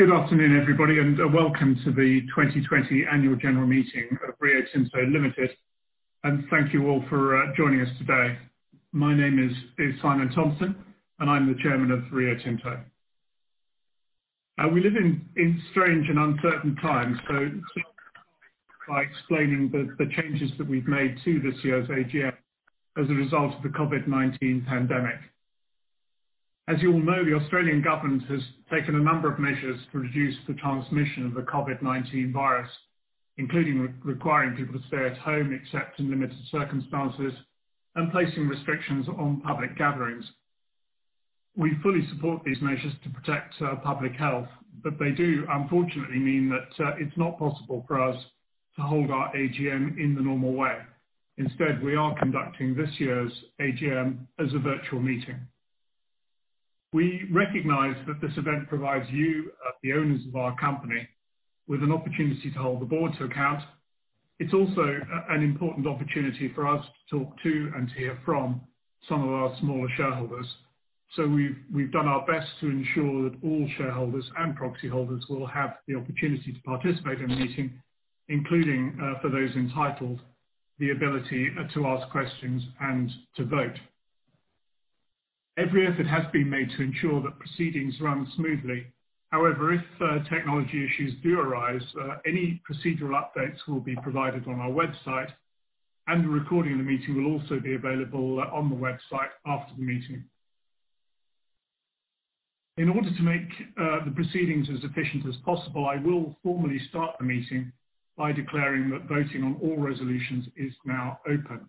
Good afternoon, everybody, and welcome to the 2020 Annual General Meeting of Rio Tinto Limited. Thank you all for joining us today. My name is Simon Thompson, and I'm the Chairman of Rio Tinto. We live in strange and uncertain times. I start by explaining the changes that we've made to this year's AGM as a result of the COVID-19 pandemic. As you all know, the Australian government has taken a number of measures to reduce the transmission of the COVID-19 virus, including requiring people to stay at home except in limited circumstances, and placing restrictions on public gatherings. We fully support these measures to protect public health. They do unfortunately mean that it's not possible for us to hold our AGM in the normal way. Instead, we are conducting this year's AGM as a virtual meeting. We recognize that this event provides you, the owners of our company, with an opportunity to hold the board to account. It's also an important opportunity for us to talk to and hear from some of our smaller shareholders. We've done our best to ensure that all shareholders and proxy holders will have the opportunity to participate in the meeting, including, for those entitled, the ability to ask questions and to vote. Every effort has been made to ensure that proceedings run smoothly. If technology issues do arise, any procedural updates will be provided on our website, and a recording of the meeting will also be available on the website after the meeting. In order to make the proceedings as efficient as possible, I will formally start the meeting by declaring that voting on all resolutions is now open.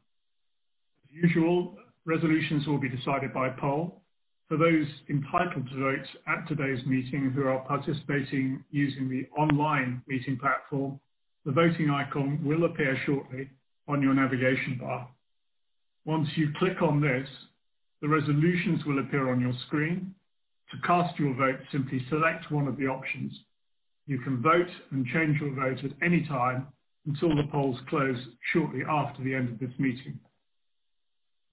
The usual resolutions will be decided by poll. For those entitled to vote at today's meeting who are participating using the online meeting platform, the voting icon will appear shortly on your navigation bar. Once you click on this, the resolutions will appear on your screen. To cast your vote, simply select one of the options. You can vote and change your vote at any time until the polls close shortly after the end of this meeting.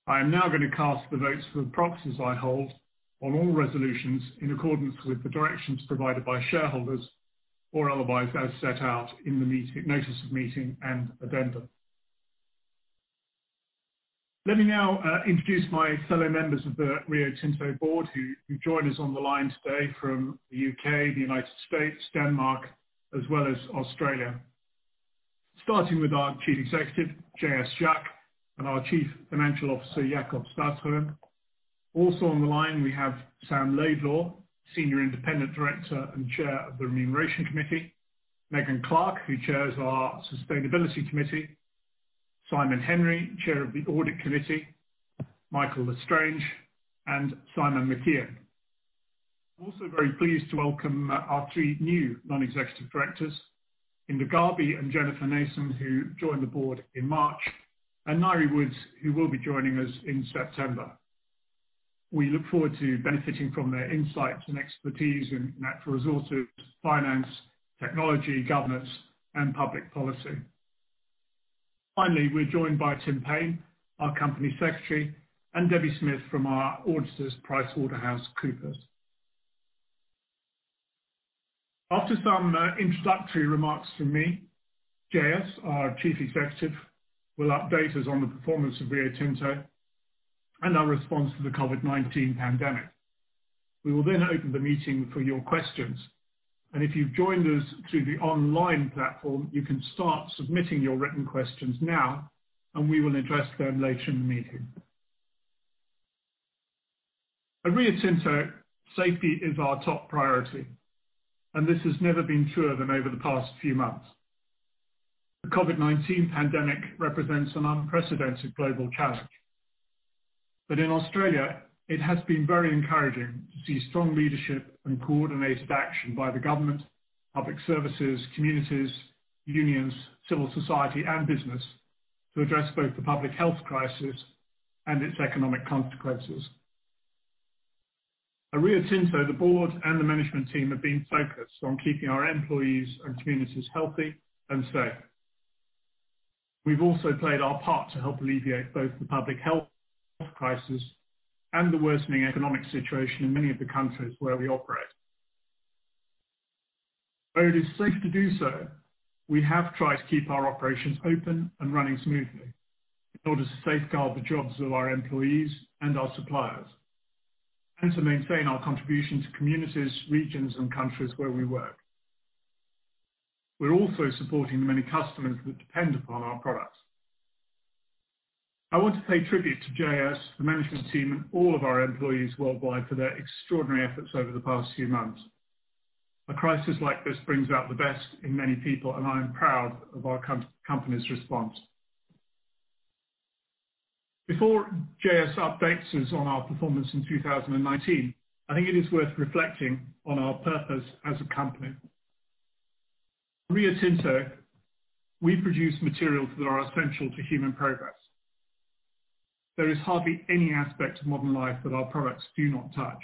I am now going to cast the votes for the proxies I hold on all resolutions in accordance with the directions provided by shareholders, or otherwise as set out in the notice of meeting and addendum. Let me now introduce my fellow members of the Rio Tinto board who join us on the line today from the U.K., the United States, Denmark, as well as Australia. Starting with our Chief Executive, Jean-Sébastien Jacques, and our Chief Financial Officer, Jakob Stausholm. Also on the line, we have Sam Laidlaw, Senior Independent Director and Chair of the Remuneration Committee, Megan Clark, who chairs our Sustainability Committee, Simon Henry, Chair of the Audit Committee, Michael L'Estrange, and Simon McKeon. Also very pleased to welcome our 3 new non-executive directors, Hinda Gharbi and Jennifer Nason, who joined the board in March, and Ngaire Woods, who will be joining us in September. We look forward to benefiting from their insights and expertise in natural resources, finance, technology, governance, and public policy. Finally, we're joined by Tim Paine, our Company Secretary, and Debbie Smith from our auditors, PricewaterhouseCoopers. After some introductory remarks from me, JS, our Chief Executive, will update us on the performance of Rio Tinto and our response to the COVID-19 pandemic. We will then open the meeting for your questions, and if you've joined us through the online platform, you can start submitting your written questions now, and we will address them later in the meeting. At Rio Tinto, safety is our top priority, and this has never been truer than over the past few months. The COVID-19 pandemic represents an unprecedented global challenge. In Australia, it has been very encouraging to see strong leadership and coordinated action by the government, public services, communities, unions, civil society, and business to address both the public health crisis and its economic consequences. At Rio Tinto, the board and the management team have been focused on keeping our employees and communities healthy and safe. We've also played our part to help alleviate both the public health crisis and the worsening economic situation in many of the countries where we operate. Where it is safe to do so, we have tried to keep our operations open and running smoothly in order to safeguard the jobs of our employees and our suppliers and to maintain our contribution to communities, regions, and countries where we work. We're also supporting the many customers that depend upon our products. I want to pay tribute to JS, the management team, and all of our employees worldwide for their extraordinary efforts over the past few months. A crisis like this brings out the best in many people. I am proud of our company's response. Before JS updates us on our performance in 2019, I think it is worth reflecting on our purpose as a company. Rio Tinto, we produce materials that are essential to human progress. There is hardly any aspect of modern life that our products do not touch.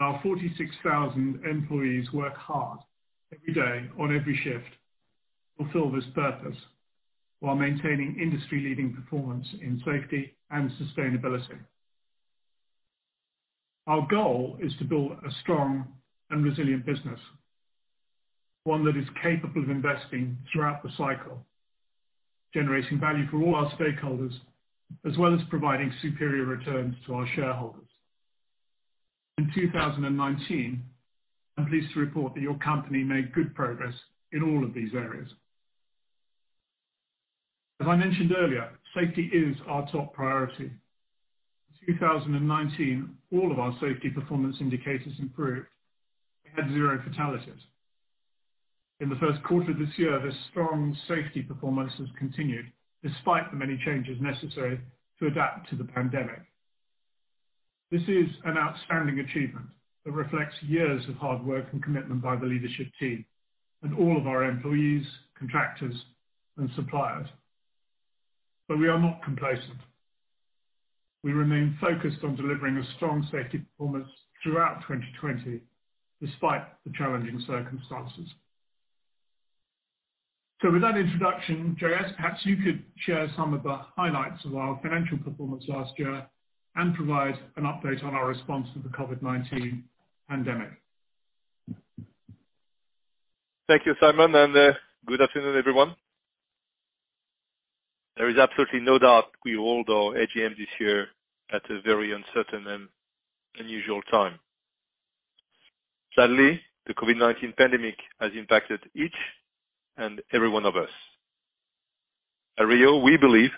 Our 46,000 employees work hard every day on every shift. Fulfill this purpose while maintaining industry-leading performance in safety and sustainability. Our goal is to build a strong and resilient business, one that is capable of investing throughout the cycle, generating value for all our stakeholders, as well as providing superior returns to our shareholders. In 2019, I'm pleased to report that your company made good progress in all of these areas. As I mentioned earlier, safety is our top priority. In 2019, all of our safety performance indicators improved and had zero fatalities. In the first quarter of this year, this strong safety performance has continued despite the many changes necessary to adapt to the pandemic. This is an outstanding achievement that reflects years of hard work and commitment by the leadership team and all of our employees, contractors, and suppliers. We are not complacent. We remain focused on delivering a strong safety performance throughout 2020 despite the challenging circumstances. With that introduction, JS, perhaps you could share some of the highlights of our financial performance last year and provide an update on our response to the COVID-19 pandemic. Thank you, Simon. Good afternoon, everyone. There is absolutely no doubt we hold our AGM this year at a very uncertain and unusual time. Sadly, the COVID-19 pandemic has impacted each and every one of us. At Rio, we believe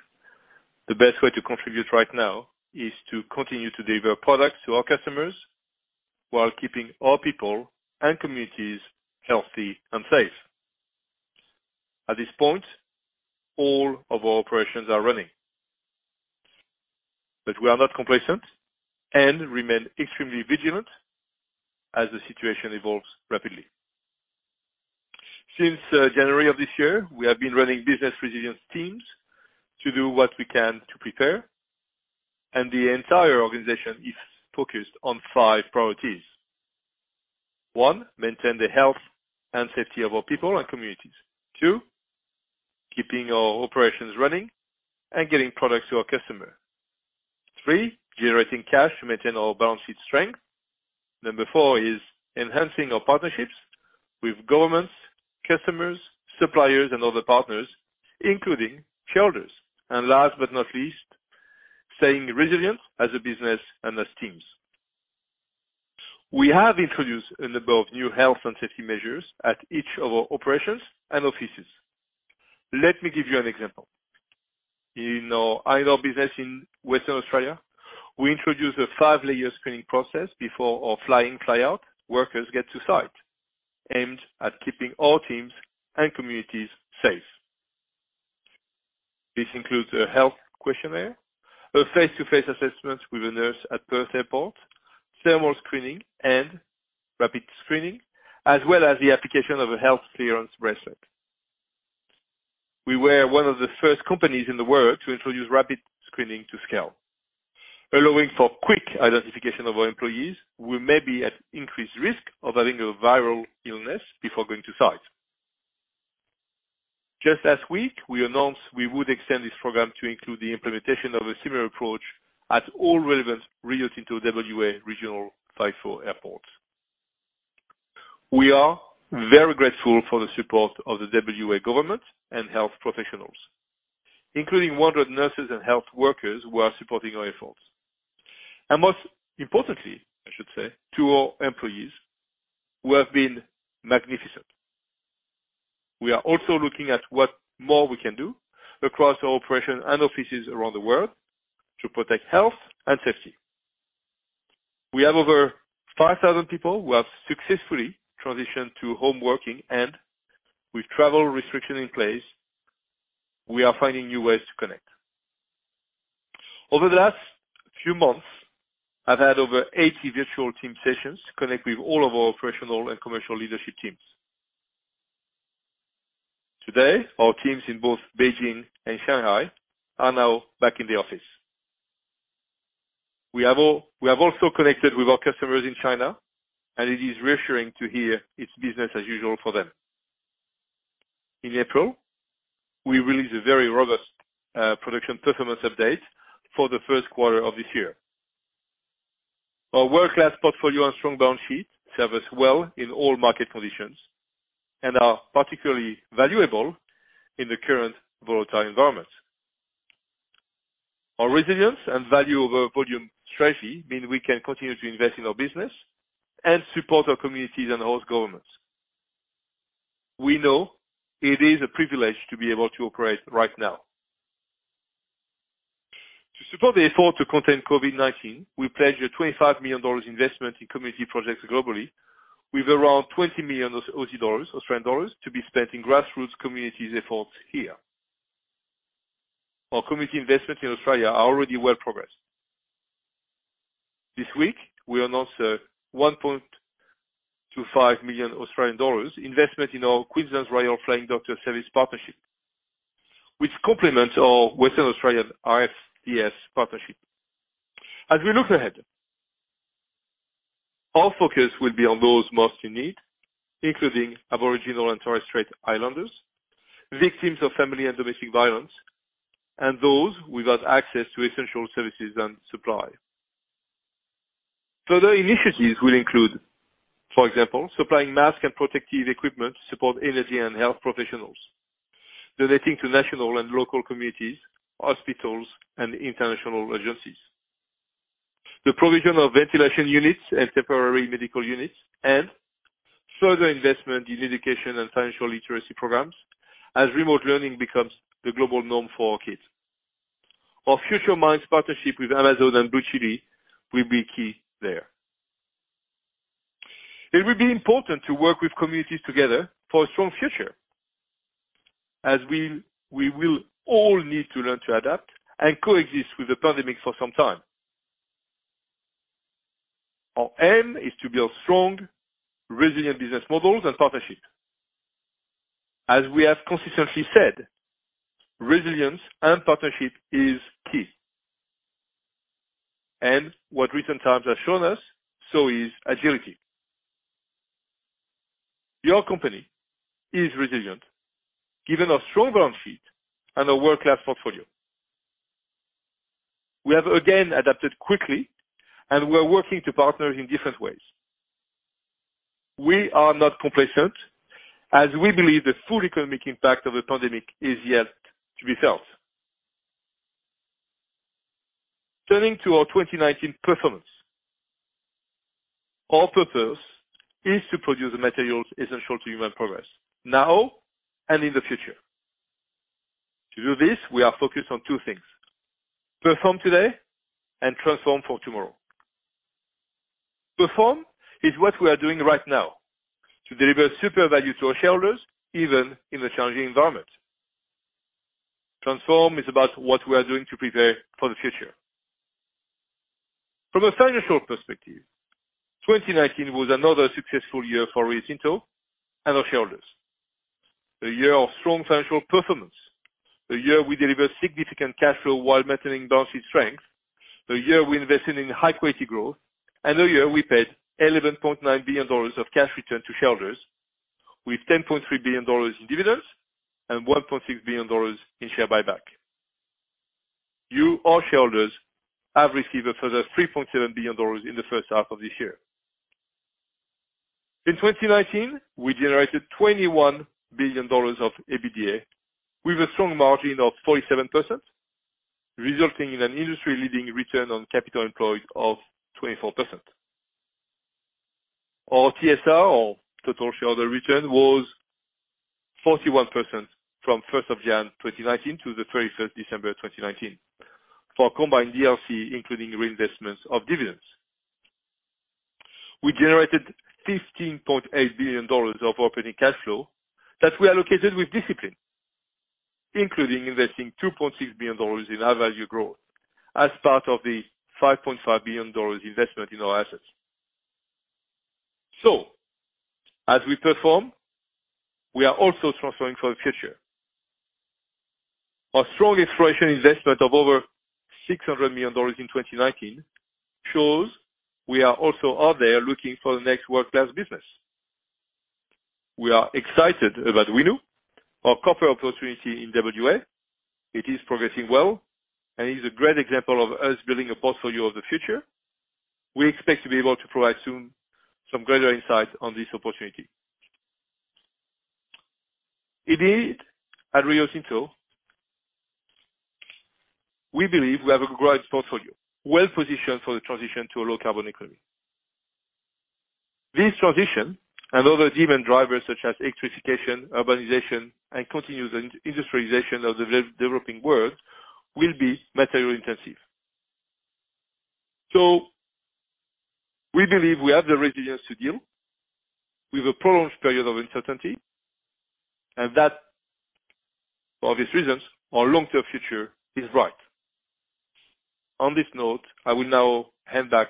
the best way to contribute right now is to continue to deliver products to our customers while keeping our people and communities healthy and safe. At this point, all of our operations are running. We are not complacent and remain extremely vigilant as the situation evolves rapidly. Since January of this year, we have been running business resilience teams to do what we can to prepare, and the entire organization is focused on five priorities. One, maintain the health and safety of our people and communities. Two, keeping our operations running and getting products to our customer. Three, generating cash to maintain our balance sheet strength. Number four is enhancing our partnerships with governments, customers, suppliers, and other partners, including shareholders. Last but not least, staying resilient as a business and as teams. We have introduced a number of new health and safety measures at each of our operations and offices. Let me give you an example. In our iron ore business in Western Australia, we introduced a five-layer screening process before our fly-in, fly-out workers get to site, aimed at keeping all teams and communities safe. This includes a health questionnaire, a face-to-face assessment with a nurse at Perth Airport, thermal screening and rapid screening, as well as the application of a health clearance bracelet. We were one of the first companies in the world to introduce rapid screening to scale, allowing for quick identification of our employees who may be at increased risk of having a viral illness before going to site. Just last week, we announced we would extend this program to include the implementation of a similar approach at all relevant Rio Tinto WA regional FIFO airports. We are very grateful for the support of the WA government and health professionals, including 100 nurses and health workers who are supporting our efforts. Most importantly, I should say, to our employees who have been magnificent. We are also looking at what more we can do across our operations and offices around the world to protect health and safety. We have over 5,000 people who have successfully transitioned to home working, and with travel restrictions in place, we are finding new ways to connect. Over the last few months, I've had over 80 virtual team sessions to connect with all of our operational and commercial leadership teams. Today, our teams in both Beijing and Shanghai are now back in the office. We have also connected with our customers in China, and it is reassuring to hear it's business as usual for them. In April, we released a very robust production performance update for the first quarter of this year. Our world-class portfolio and strong balance sheet serve us well in all market conditions and are particularly valuable in the current volatile environment. Our resilience and value over volume strategy mean we can continue to invest in our business and support our communities and host governments. We know it is a privilege to be able to operate right now. To support the effort to contain COVID-19, we pledged a $25 million investment in community projects globally, with around 20 million Australian dollars to be spent in grassroots communities efforts here. Our community investments in Australia are already well progressed. This week, we announced a 1.25 million Australian dollars investment in our Queensland Royal Flying Doctor Service partnership, which complements our Western Australian RFDS partnership. As we look ahead, our focus will be on those most in need, including Aboriginal and Torres Strait Islanders, victims of family and domestic violence, and those without access to essential services and supply. Further initiatives will include, for example, supplying masks and protective equipment to support energy and health professionals, donating to national and local communities, hospitals, and international agencies. The provision of ventilation units and temporary medical units and further investment in education and financial literacy programs as remote learning becomes the global norm for our kids. Our Future Minds partnership with Amazon and BlueChilli will be key there. It will be important to work with communities together for a strong future, as we will all need to learn to adapt and coexist with the pandemic for some time. Our aim is to build strong, resilient business models and partnerships. As we have consistently said, resilience and partnership is key. What recent times have shown us, so is agility. Your company is resilient, given our strong balance sheet and our world-class portfolio. We have again adapted quickly, and we are working to partner in different ways. We are not complacent as we believe the full economic impact of the pandemic is yet to be felt. Turning to our 2019 performance. Our purpose is to produce the materials essential to human progress now and in the future. To do this, we are focused on two things: perform today and transform for tomorrow. Perform is what we are doing right now to deliver super value to our shareholders even in a challenging environment. Transform is about what we are doing to prepare for the future. From a financial perspective, 2019 was another successful year for Rio Tinto and our shareholders. A year of strong financial performance, a year we delivered significant cash flow while maintaining balance sheet strength, a year we invested in high-quality growth, and a year we paid $11.9 billion of cash return to shareholders, with $10.3 billion in dividends and $1.6 billion in share buyback. You, our shareholders, have received a further $ 3.7 billion in the first half of this year. In 2019, we generated $ 21 billion of EBITDA with a strong margin of 47%, resulting in an industry-leading return on capital employed of 24%. Our TSR or total shareholder return was 41% from January 1, 2019 to December 31, 2019, for a combined DLC, including reinvestments of dividends. We generated $15.8 billion of operating cash flow that we allocated with discipline, including investing $2.6 billion in our value growth as part of the $5.5 billion investment in our assets. As we perform, we are also transforming for the future. Our strong exploration investment of over $600 million in 2019 shows we are also out there looking for the next world-class business. We are excited about Winu, our copper opportunity in WA. It is progressing well and is a great example of us building a portfolio of the future. We expect to be able to provide soon some greater insights on this opportunity. Indeed, at Rio Tinto, we believe we have a great portfolio, well-positioned for the transition to a low-carbon economy. This transition and other demand drivers such as electrification, urbanization, and continuous industrialization of the developing world will be material intensive. We believe we have the resilience to deal with a prolonged period of uncertainty, and that for obvious reasons, our long-term future is bright. On this note, I will now hand back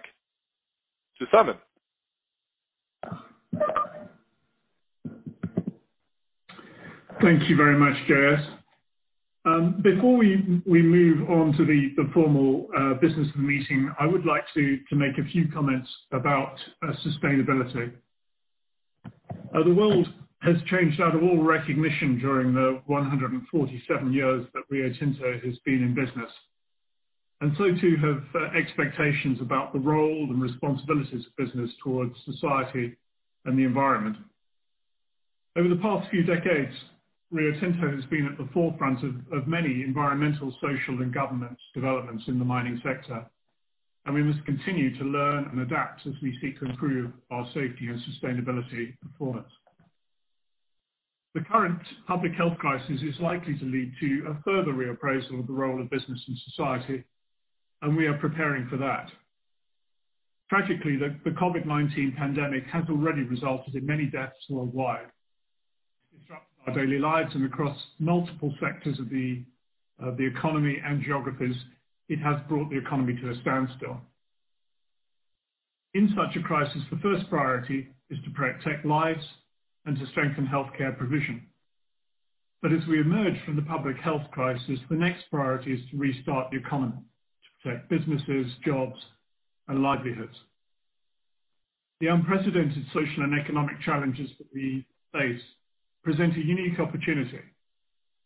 to Simon. Thank you very much, JS. Before we move on to the formal business of the meeting, I would like to make a few comments about sustainability. The world has changed out of all recognition during the 147 years that Rio Tinto has been in business, and so too have expectations about the role and responsibilities of business towards society and the environment. Over the past few decades, Rio Tinto has been at the forefront of many environmental, social, and governance developments in the mining sector, and we must continue to learn and adapt as we seek to improve our safety and sustainability performance. The current public health crisis is likely to lead to a further reappraisal of the role of business in society, and we are preparing for that. Tragically, the COVID-19 pandemic has already resulted in many deaths worldwide. It's shocked our daily lives and across multiple sectors of the economy and geographies, it has brought the economy to a standstill. In such a crisis, the first priority is to protect lives and to strengthen healthcare provision. As we emerge from the public health crisis, the next priority is to restart the economy to protect businesses, jobs and livelihoods. The unprecedented social and economic challenges that we face present a unique opportunity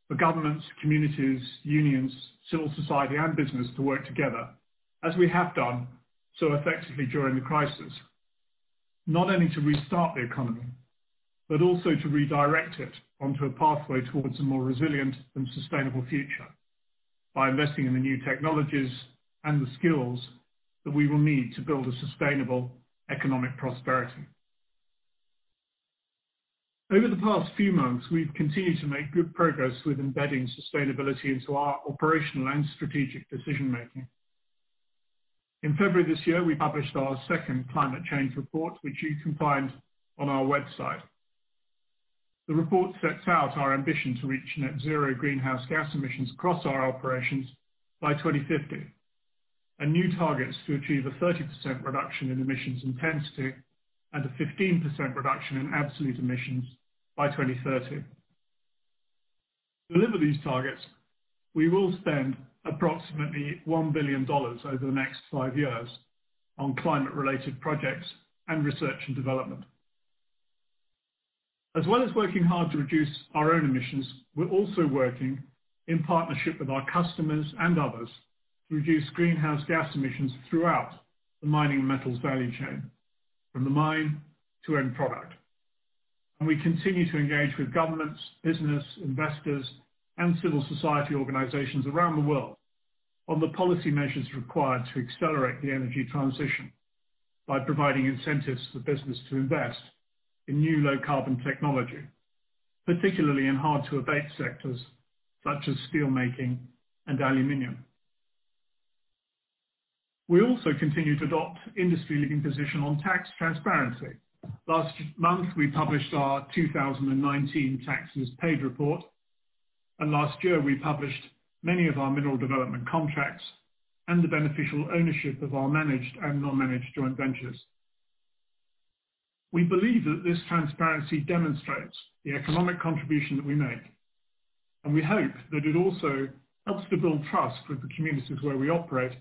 for governments, communities, unions, civil society, and business to work together as we have done so effectively during the crisis. Not only to restart the economy, but also to redirect it onto a pathway towards a more resilient and sustainable future by investing in the new technologies and the skills that we will need to build a sustainable economic prosperity. Over the past few months, we've continued to make good progress with embedding sustainability into our operational and strategic decision making. In February this year, we published our second climate change report, which you can find on our website. The report sets out our ambition to reach net zero greenhouse gas emissions across our operations by 2050, and new targets to achieve a 30% reduction in emissions intensity and a 15% reduction in absolute emissions by 2030. To deliver these targets, we will spend approximately $1 billion over the next five years on climate related projects and research and development. As well as working hard to reduce our own emissions, we're also working in partnership with our customers and others to reduce greenhouse gas emissions throughout the mining and metals value chain, from the mine to end product. We continue to engage with governments, business, investors, and civil society organizations around the world on the policy measures required to accelerate the energy transition by providing incentives for business to invest in new low-carbon technology, particularly in hard to abate sectors such as steel making and aluminum. We also continue to adopt industry leading position on tax transparency. Last month, we published our 2019 taxes paid report, and last year we published many of our mineral development contracts and the beneficial ownership of our managed and non-managed joint ventures. We believe that this transparency demonstrates the economic contribution that we make, and we hope that it also helps to build trust with the communities where we operate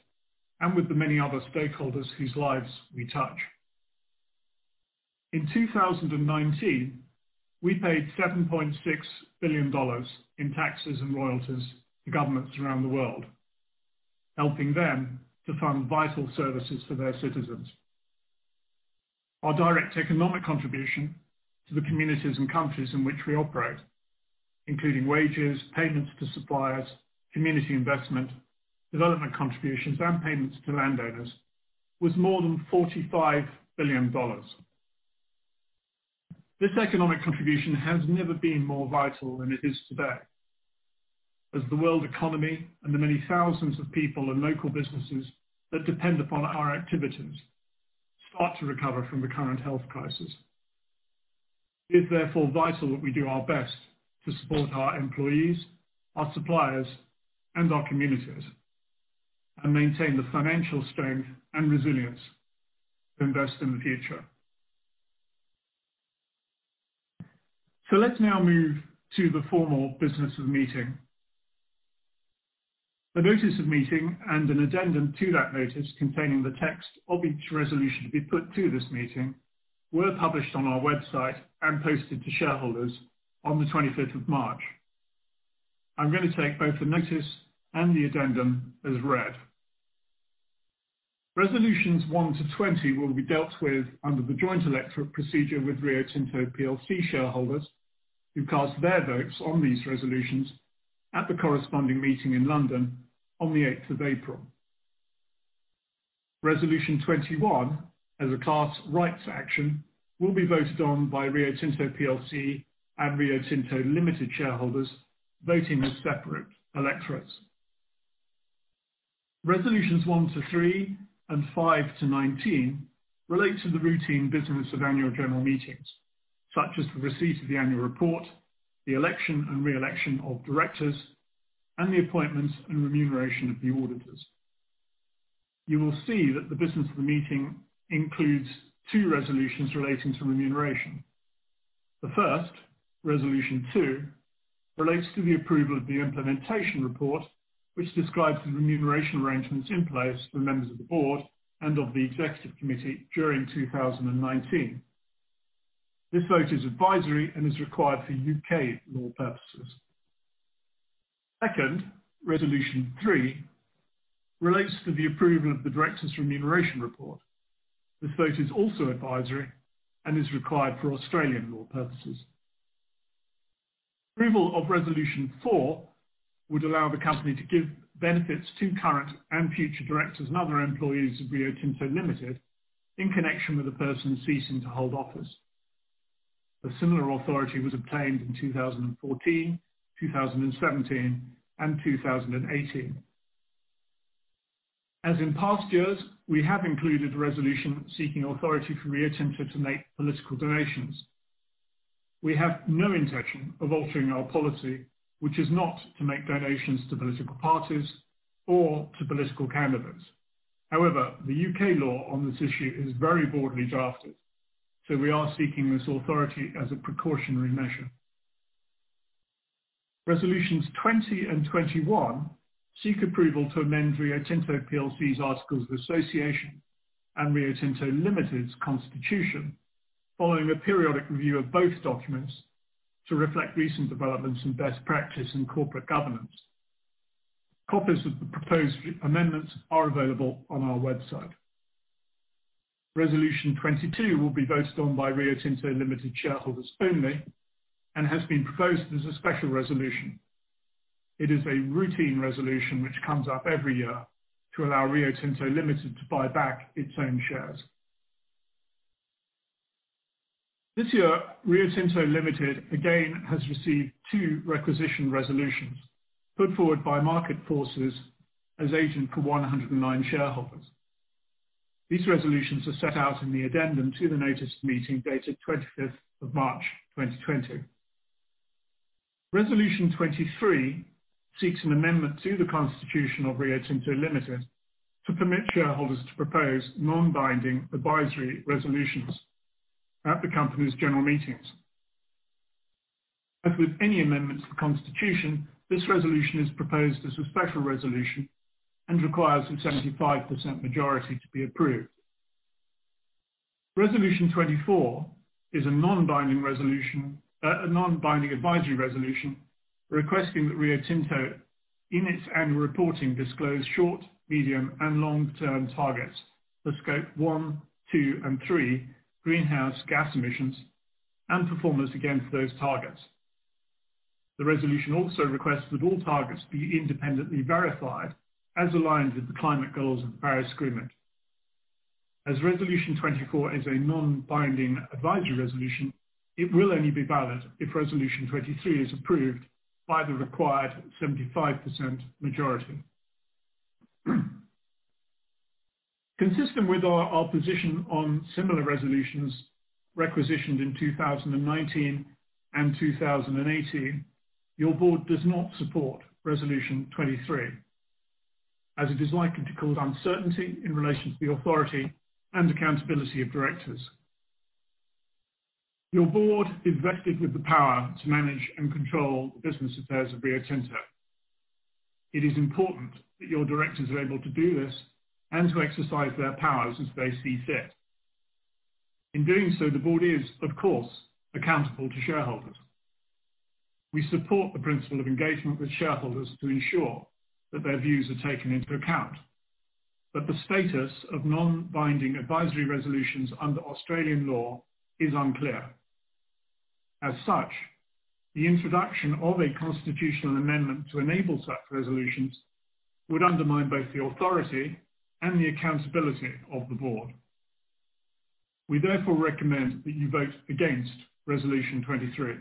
and with the many other stakeholders whose lives we touch. In 2019, we paid $7.6 billion in taxes and royalties to governments around the world, helping them to fund vital services for their citizens. Our direct economic contribution to the communities and countries in which we operate, including wages, payments to suppliers, community investment, development contributions, and payments to landowners, was more than $45 billion. This economic contribution has never been more vital than it is today. As the world economy and the many thousands of people and local businesses that depend upon our activities start to recover from the current health crisis, it is therefore vital that we do our best to support our employees, our suppliers, and our communities, and maintain the financial strength and resilience to invest in the future. Let's now move to the formal business of the meeting. The notice of meeting and an addendum to that notice containing the text of each resolution to be put to this meeting were published on our website and posted to shareholders on the 25th of March. I'm going to take both the notice and the addendum as read. Resolutions 1 to 20 will be dealt with under the joint electorate procedure with Rio Tinto PLC shareholders who cast their votes on these resolutions at the corresponding meeting in London on the 8th of April. Resolution 21, as a class rights action, will be voted on by Rio Tinto PLC and Rio Tinto Limited shareholders voting as separate electorates. Resolutions 1 to 3 and 5 to 19 relate to the routine business of annual general meetings, such as the receipt of the annual report, the election and re-election of directors, and the appointments and remuneration of the auditors. You will see that the business of the meeting includes two resolutions relating to remuneration. The first, Resolution 2, relates to the approval of the implementation report, which describes the remuneration arrangements in place for members of the board and of the executive committee during 2019. This vote is advisory and is required for UK law purposes. Second, Resolution 3 relates to the approval of the directors' remuneration report. This vote is also advisory and is required for Australian law purposes. Approval of Resolution 4 would allow the company to give benefits to current and future directors and other employees of Rio Tinto Limited in connection with a person ceasing to hold office. A similar authority was obtained in 2014, 2017, and 2018. As in past years, we have included a resolution seeking authority for Rio Tinto to make political donations. We have no intention of altering our policy, which is not to make donations to political parties or to political candidates. However, the U.K. law on this issue is very broadly drafted. We are seeking this authority as a precautionary measure. Resolutions 20 and 21 seek approval to amend Rio Tinto PLC's Articles of Association and Rio Tinto Limited's constitution following a periodic review of both documents to reflect recent developments and best practice in corporate governance. Copies of the proposed amendments are available on our website. Resolution 22 will be voted on by Rio Tinto Limited shareholders only and has been proposed as a special resolution. It is a routine resolution which comes up every year to allow Rio Tinto Limited to buy back its own shares. This year, Rio Tinto Limited again has received two requisition resolutions put forward by Market Forces as agent for 109 shareholders. These resolutions are set out in the addendum to the notice of meeting dated 25th of March 2020. Resolution 23 seeks an amendment to the constitution of Rio Tinto Limited to permit shareholders to propose non-binding advisory resolutions at the company's general meetings. As with any amendments to the constitution, this resolution is proposed as a special resolution and requires a 75% majority to be approved. Resolution 24 is a non-binding advisory resolution requesting that Rio Tinto, in its annual reporting, disclose short, medium, and long-term targets for Scope 1, 2, and 3 greenhouse gas emissions and performance against those targets. The resolution also requests that all targets be independently verified as aligned with the climate goals of the Paris Agreement. As Resolution 24 is a non-binding advisory resolution, it will only be valid if Resolution 23 is approved by the required 75% majority. Consistent with our position on similar resolutions requisitioned in 2019 and 2018, your board does not support Resolution 23, as it is likely to cause uncertainty in relation to the authority and accountability of directors. Your board is vested with the power to manage and control the business affairs of Rio Tinto. It is important that your directors are able to do this and to exercise their powers as they see fit. In doing so, the board is, of course, accountable to shareholders. We support the principle of engagement with shareholders to ensure that their views are taken into account, but the status of non-binding advisory resolutions under Australian law is unclear. As such, the introduction of a constitutional amendment to enable such resolutions would undermine both the authority and the accountability of the board. We therefore recommend that you vote against Resolution 23.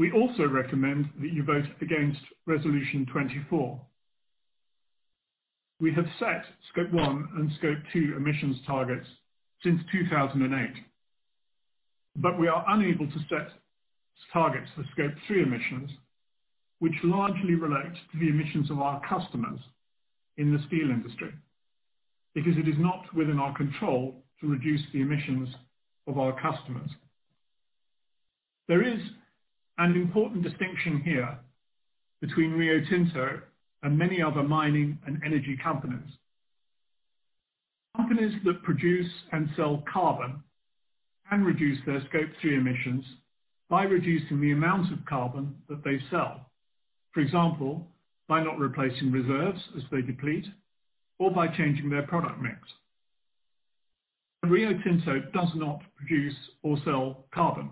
We also recommend that you vote against Resolution 24. We have set Scope 1 and Scope 2 emissions targets since 2008, but we are unable to set targets for Scope 3 emissions, which largely relate to the emissions of our customers in the steel industry, because it is not within our control to reduce the emissions of our customers. There is an important distinction here between Rio Tinto and many other mining and energy companies. Companies that produce and sell carbon can reduce their Scope 3 emissions by reducing the amount of carbon that they sell. For example, by not replacing reserves as they deplete or by changing their product mix. Rio Tinto does not produce or sell carbon.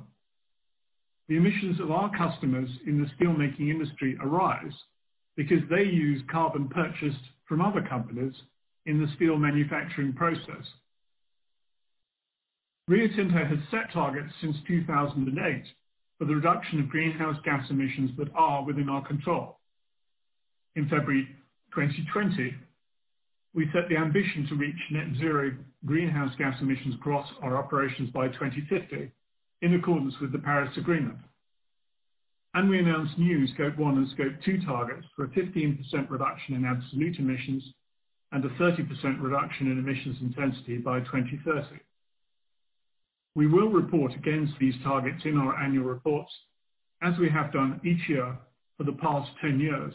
The emissions of our customers in the steelmaking industry arise because they use carbon purchased from other companies in the steel manufacturing process. Rio Tinto has set targets since 2008 for the reduction of greenhouse gas emissions that are within our control. In February 2020, we set the ambition to reach net zero greenhouse gas emissions across our operations by 2050 in accordance with the Paris Agreement, and we announced new Scope 1 and Scope 2 targets for a 15% reduction in absolute emissions and a 30% reduction in emissions intensity by 2030. We will report against these targets in our annual reports as we have done each year for the past 10 years,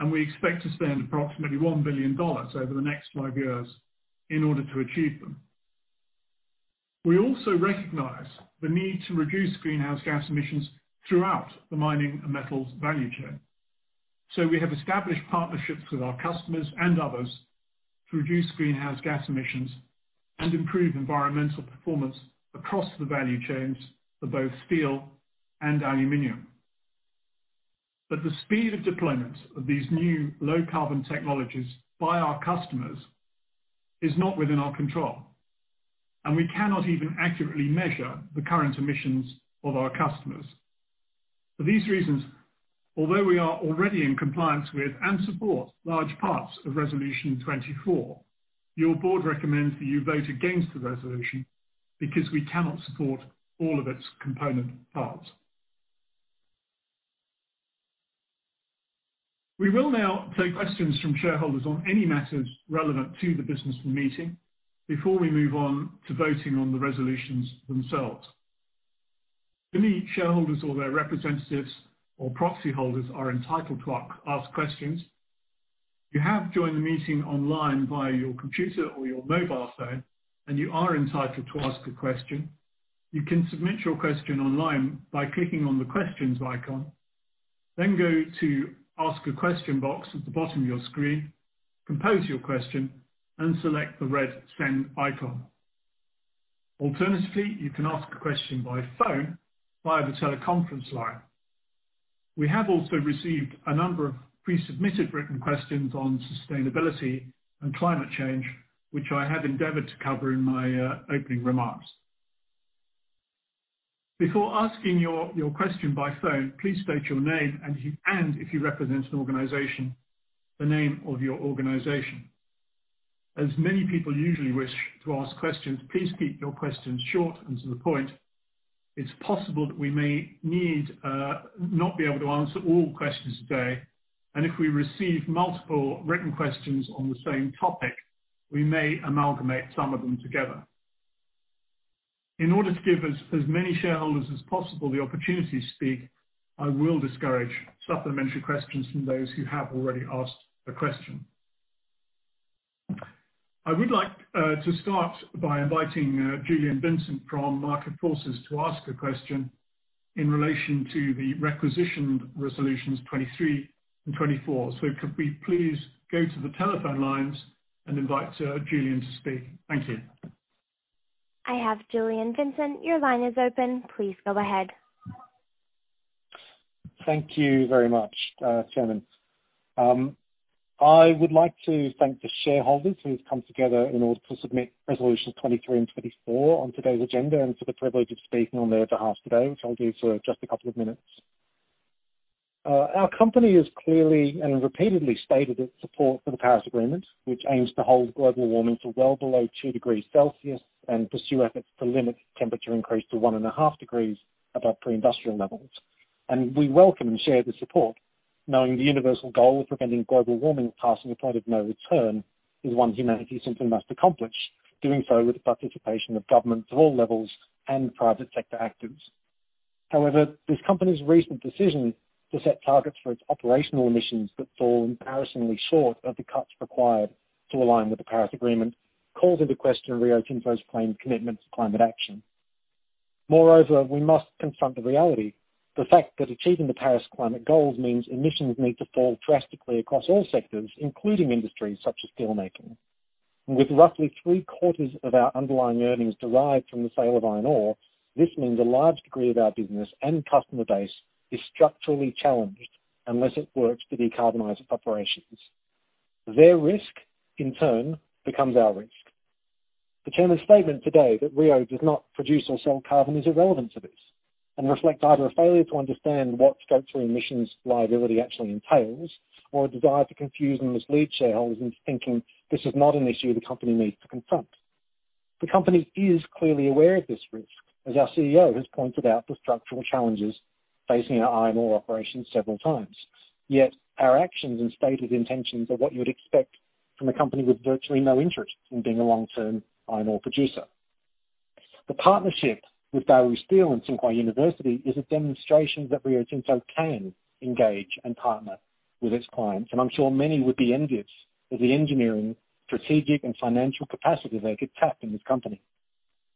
and we expect to spend approximately $1 billion over the next five years in order to achieve them. We also recognize the need to reduce greenhouse gas emissions throughout the mining and metals value chain. We have established partnerships with our customers and others to reduce greenhouse gas emissions and improve environmental performance across the value chains for both steel and aluminum. The speed of deployment of these new low-carbon technologies by our customers is not within our control, and we cannot even accurately measure the current emissions of our customers. For these reasons, although we are already in compliance with and support large parts of Resolution 24, your board recommends that you vote against the resolution because we cannot support all of its component parts. We will now take questions from shareholders on any matters relevant to the business meeting before we move on to voting on the resolutions themselves. Any shareholders or their representatives or proxyholders are entitled to ask questions. If you have joined the meeting online via your computer or your mobile phone and you are entitled to ask a question, you can submit your question online by clicking on the questions icon, then go to Ask-a-Question box at the bottom of your screen, compose your question and select the red send icon. Alternatively, you can ask a question by phone via the teleconference line. We have also received a number of pre-submitted written questions on sustainability and climate change, which I have endeavored to cover in my opening remarks. Before asking your question by phone, please state your name and if you represent an organization, the name of your organization. As many people usually wish to ask questions, please keep your questions short and to the point. It's possible that we may not be able to answer all questions today, and if we receive multiple written questions on the same topic, we may amalgamate some of them together. In order to give as many shareholders as possible the opportunity to speak, I will discourage supplementary questions from those who have already asked a question. I would like to start by inviting Julien Vincent from Market Forces to ask a question in relation to the requisition resolutions 23 and 24. Could we please go to the telephone lines and invite Sir Julien to speak? Thank you. I have Julien Vincent. Your line is open. Please go ahead. Thank you very much, chairman. I would like to thank the shareholders who have come together in order to submit Resolutions 23 and 24 on today's agenda and for the privilege of speaking on their behalf today, which I'll do for just a couple of minutes. Our company has clearly and repeatedly stated its support for the Paris Agreement, which aims to hold global warming to well below 2 degrees Celsius and pursue efforts to limit temperature increase to 1.5 degrees above pre-industrial levels. We welcome and share the support knowing the universal goal of preventing global warming passing a point of no return is one humanity simply must accomplish, doing so with the participation of governments of all levels and private sector actors. However, this company's recent decision to set targets for its operational emissions that fall embarrassingly short of the cuts required to align with the Paris Agreement calls into question Rio Tinto's claimed commitment to climate action. We must confront the reality. The fact that achieving the Paris climate goals means emissions need to fall drastically across all sectors, including industries such as steelmaking. With roughly three-quarters of our underlying earnings derived from the sale of iron ore, this means a large degree of our business and customer base is structurally challenged unless it works to decarbonize operations. Their risk, in turn, becomes our risk. The Chairman's statement today that Rio Tinto does not produce or sell carbon is irrelevant to this and reflects either a failure to understand what Scope 3 emissions liability actually entails or a desire to confuse and mislead shareholders into thinking this is not an issue the company needs to confront. The company is clearly aware of this risk, as our CEO has pointed out the structural challenges facing our iron ore operations several times. Yet our actions and stated intentions are what you would expect from a company with virtually no interest in being a long-term iron ore producer. The partnership with Baowu and Tsinghua University is a demonstration that Rio Tinto can engage and partner with its clients, and I'm sure many would be envious of the engineering, strategic and financial capacity that could tap in this company.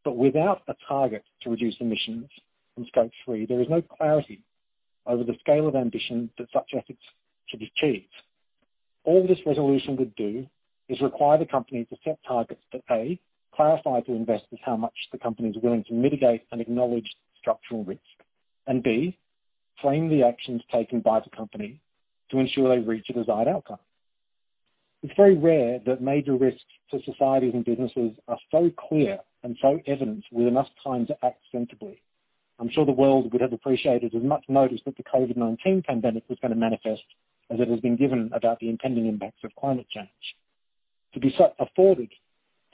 Without a target to reduce emissions from Scope 3, there is no clarity over the scale of ambition that such efforts should achieve. All this resolution would do is require the company to set targets that, A, clarify to investors how much the company is willing to mitigate and acknowledge structural risk. B, frame the actions taken by the company to ensure they reach a desired outcome. It's very rare that major risks to societies and businesses are so clear and so evident with enough time to act sensibly. I'm sure the world would have appreciated as much notice that the COVID-19 pandemic was going to manifest as it has been given about the impending impacts of climate change.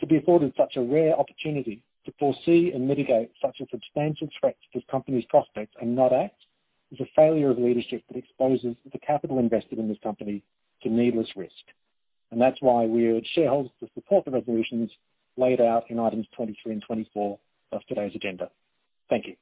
To be afforded such a rare opportunity to foresee and mitigate such a substantial threat to this company's prospects and not act is a failure of leadership that exposes the capital invested in this company to needless risk. That's why we urge shareholders to support the resolutions laid out in items 23 and 24 of today's agenda. Thank you.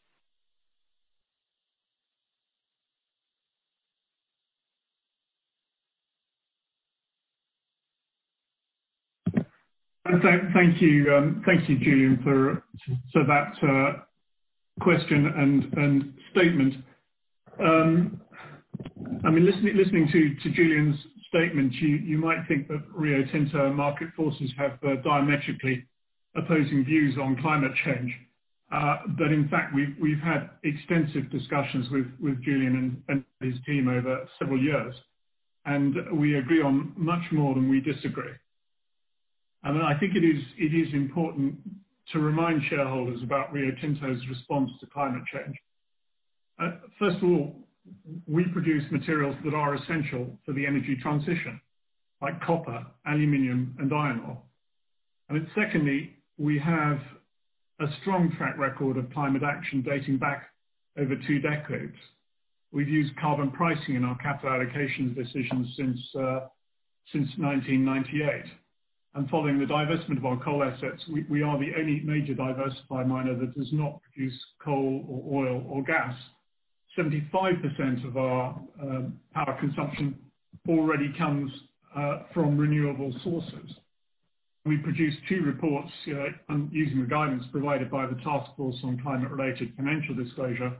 Thank you, Julien, for that question and statement. I mean, listening to Julien's statement, you might think that Rio Tinto and Market Forces have diametrically opposing views on climate change. In fact, we've had extensive discussions with Julien and his team over several years, and we agree on much more than we disagree. I think it is important to remind shareholders about Rio Tinto's response to climate change. First of all, we produce materials that are essential for the energy transition, like copper, aluminum, and iron ore. Secondly, we have a strong track record of climate action dating back over two decades. We've used carbon pricing in our capital allocation decisions since 1998. Following the divestment of our coal assets, we are the only major diversified miner that does not produce coal or oil or gas, 75% of our power consumption already comes from renewable sources. We produced two reports using the guidance provided by the Task Force on climate-related Financial Disclosures,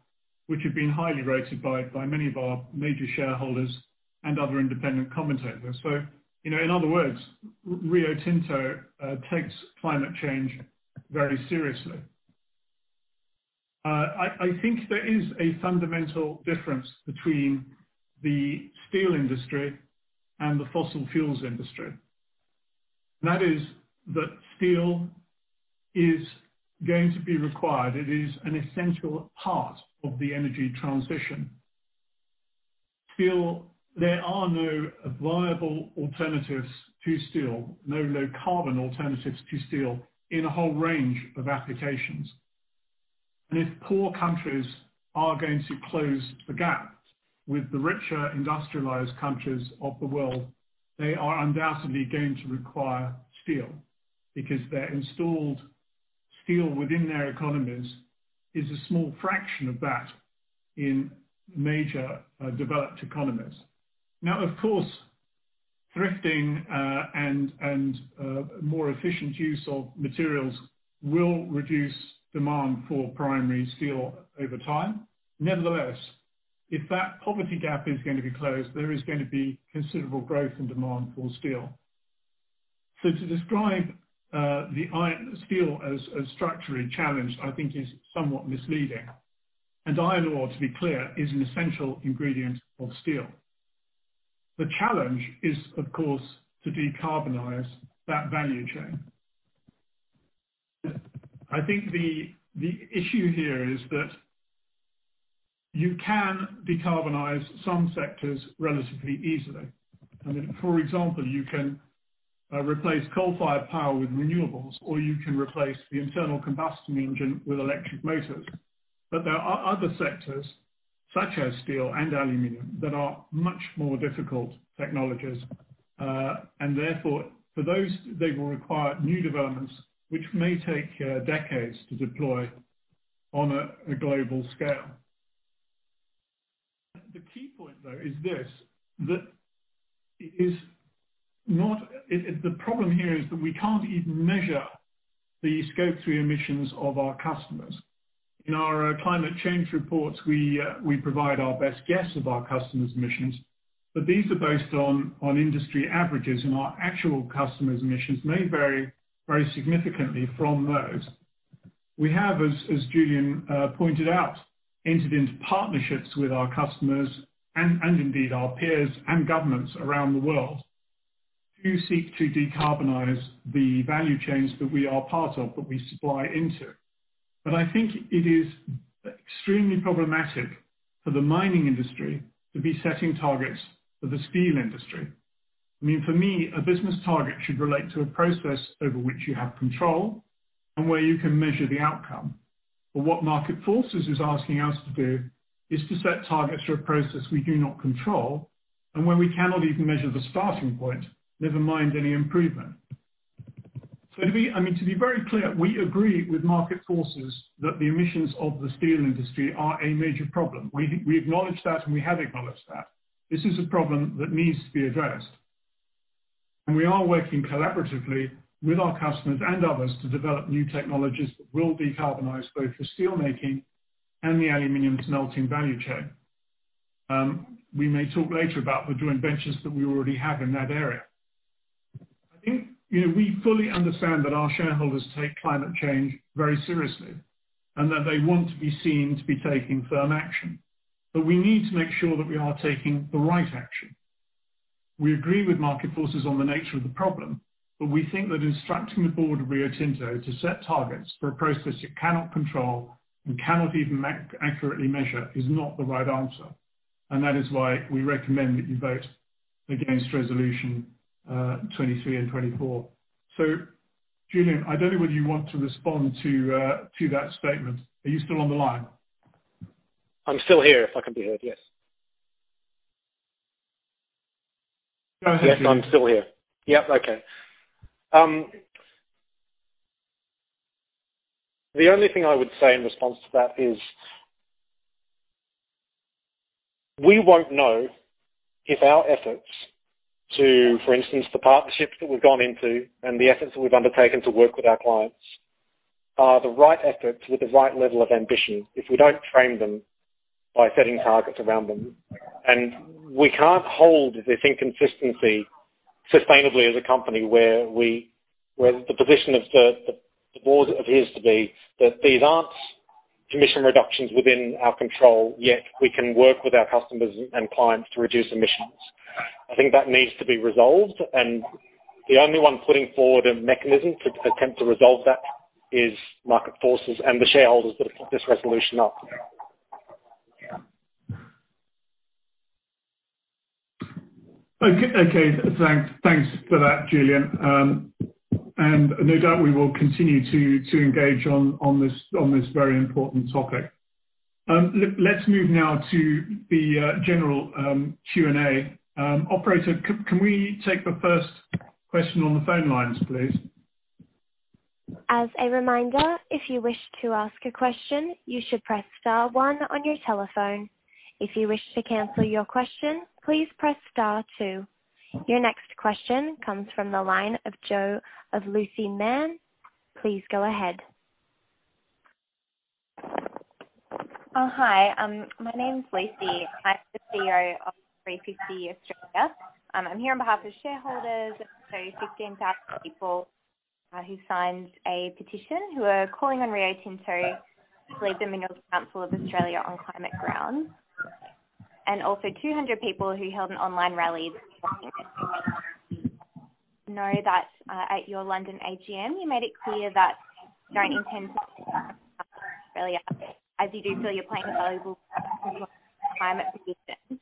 which have been highly rated by many of our major shareholders and other independent commentators. In other words, Rio Tinto takes climate change very seriously. I think there is a fundamental difference between the steel industry and the fossil fuels industry. That is that steel is going to be required. It is an essential part of the energy transition. There are no viable alternatives to steel, no low-carbon alternatives to steel in a whole range of applications. If poor countries are going to close the gap with the richer industrialized countries of the world, they are undoubtedly going to require steel because their installed steel within their economies is a small fraction of that in major developed economies. Now, of course, thrifting and more efficient use of materials will reduce demand for primary steel over time. Nevertheless, if that poverty gap is going to be closed, there is going to be considerable growth and demand for steel. To describe the steel as structurally challenged, I think is somewhat misleading. Iron ore, to be clear, is an essential ingredient of steel. The challenge is, of course, to decarbonize that value chain. I think the issue here is that you can decarbonize some sectors relatively easily. I mean, for example, you can replace coal-fired power with renewables, or you can replace the internal combustion engine with electric motors. There are other sectors, such as steel and aluminum, that are much more difficult technologies. Therefore, for those, they will require new developments, which may take decades to deploy on a global scale. The key point, though, is this. The problem here is that we can't even measure the Scope 3 emissions of our customers. In our climate change reports, we provide our best guess of our customers' emissions, These are based on industry averages, and our actual customers' emissions may vary very significantly from those. We have, as Julien pointed out, entered into partnerships with our customers and indeed our peers and governments around the world who seek to decarbonize the value chains that we are part of, that we supply into. I think it is extremely problematic for the mining industry to be setting targets for the steel industry. I mean, for me, a business target should relate to a process over which you have control and where you can measure the outcome. What Market Forces is asking us to do is to set targets for a process we do not control and when we cannot even measure the starting point, never mind any improvement. I mean, to be very clear, we agree with Market Forces that the emissions of the steel industry are a major problem. We acknowledge that, and we have acknowledged that. This is a problem that needs to be addressed. We are working collaboratively with our customers and others to develop new technologies that will decarbonize both the steel making and the aluminum smelting value chain. We may talk later about the joint ventures that we already have in that area. I think we fully understand that our shareholders take climate change very seriously and that they want to be seen to be taking firm action. We need to make sure that we are taking the right action. We agree with Market Forces on the nature of the problem, but we think that instructing the board of Rio Tinto to set targets for a process it cannot control and cannot even accurately measure is not the right answer. That is why we recommend that you vote against Resolution 23 and 24. Julien, I don't know whether you want to respond to that statement. Are you still on the line? I'm still here if I can be heard. Yes, I'm still here. Yep. Okay. The only thing I would say in response to that is we won't know if our efforts to, for instance, the partnerships that we've gone into and the efforts that we've undertaken to work with our clients are the right efforts with the right level of ambition if we don't frame them by setting targets around them. We can't hold this inconsistency sustainably as a company where the position of the board appears to be that these aren't emission reductions within our control, yet we can work with our customers and clients to reduce emissions. I think that needs to be resolved, and the only one putting forward a mechanism to attempt to resolve that is Market Forces and the shareholders that have put this resolution up. Okay. Thanks for that, Julien. No doubt we will continue to engage on this very important topic. Let's move now to the general Q&A. Operator, can we take the first question on the phone lines, please? As a reminder, if you wish to ask a question, you should press star one on your telephone. If you wish to cancel your question, please press star two. Your next question comes from the line of Joe of Lucy Manne. Please go ahead. Hi. My name's Lucy. I'm the CEO of 350 Australia. I'm here on behalf of shareholders. 15,000 people who signed a petition who are calling on Rio Tinto to leave the Minerals Council of Australia on climate grounds, and also 200 people who held an online rally. At your London AGM, you made it clear that you don't intend to Australia, as you do feel you're playing a valuable climate position.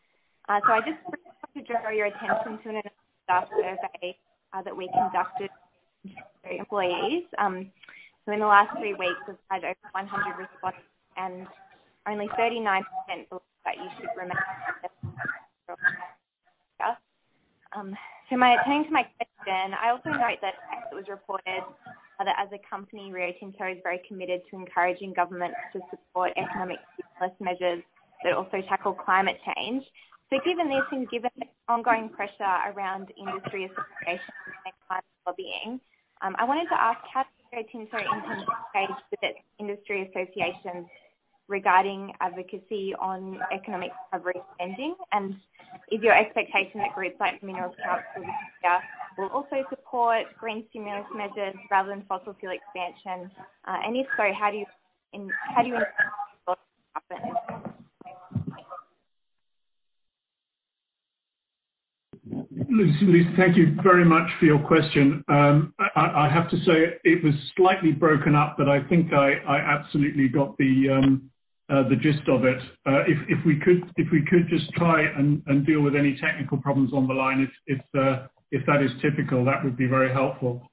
I just want to draw your attention to another survey that we conducted with your employees. In the last three weeks, we've had over 100 responses, and only 39% believe that you should remain. Turning to my question, I also note that it was reported that as a company, Rio Tinto is very committed to encouraging governments to support economic stimulus measures that also tackle climate change. Given this, given the ongoing pressure around industry association and climate lobbying, I wanted to ask how Rio Tinto intends to engage with its industry associations regarding advocacy on economic recovery spending. Is your expectation that groups like Minerals Council [Australia] will also support green stimulus measures rather than fossil fuel expansion? If so, how do you. Lucy, thank you very much for your question. I have to say it was slightly broken up. I think I absolutely got the gist of it. If we could just try and deal with any technical problems on the line. If that is typical, that would be very helpful.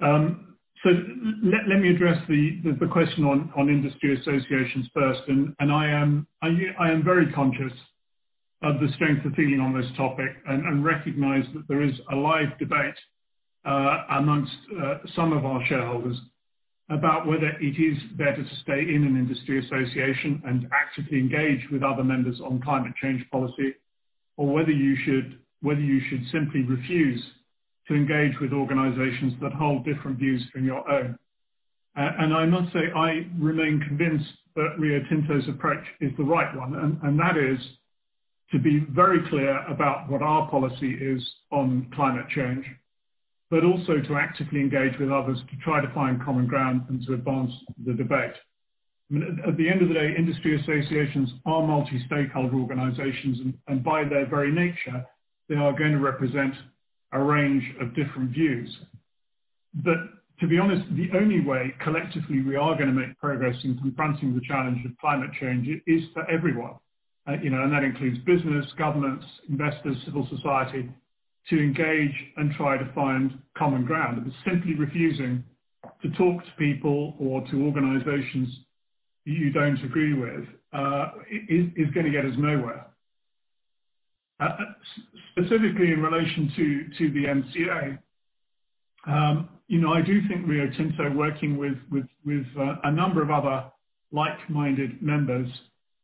Let me address the question on industry associations first. I am very conscious of the strength of feeling on this topic and recognize that there is a live debate amongst some of our shareholders about whether it is better to stay in an industry association and actively engage with other members on climate change policy or whether you should simply refuse to engage with organizations that hold different views from your own. I must say, I remain convinced that Rio Tinto's approach is the right one, and that is to be very clear about what our policy is on climate change, but also to actively engage with others to try to find common ground and to advance the debate. At the end of the day, industry associations are multi-stakeholder organizations, and by their very nature, they are going to represent a range of different views. To be honest, the only way collectively we are going to make progress in confronting the challenge of climate change is for everyone. That includes business, governments, investors, civil society, to engage and try to find common ground. Simply refusing to talk to people or to organizations you don't agree with is going to get us nowhere. Specifically in relation to the MCA. I do think Rio Tinto working with a number of other like-minded members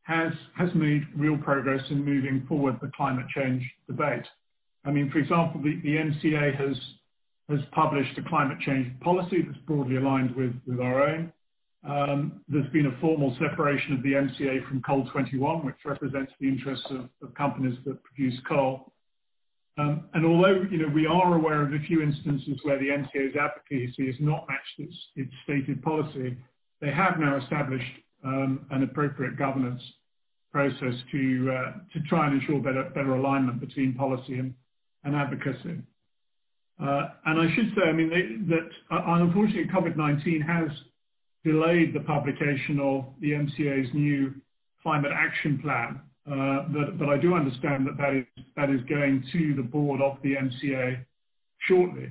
has made real progress in moving forward the climate change debate. The MCA has published a climate change policy that's broadly aligned with our own. There's been a formal separation of the MCA from COAL21, which represents the interests of companies that produce coal. Although we are aware of a few instances where the MCA's advocacy has not matched its stated policy, they have now established an appropriate governance process to try and ensure better alignment between policy and advocacy. I should say that unfortunately, COVID-19 has delayed the publication of the MCA's new climate action plan. I do understand that is going to the board of the MCA shortly.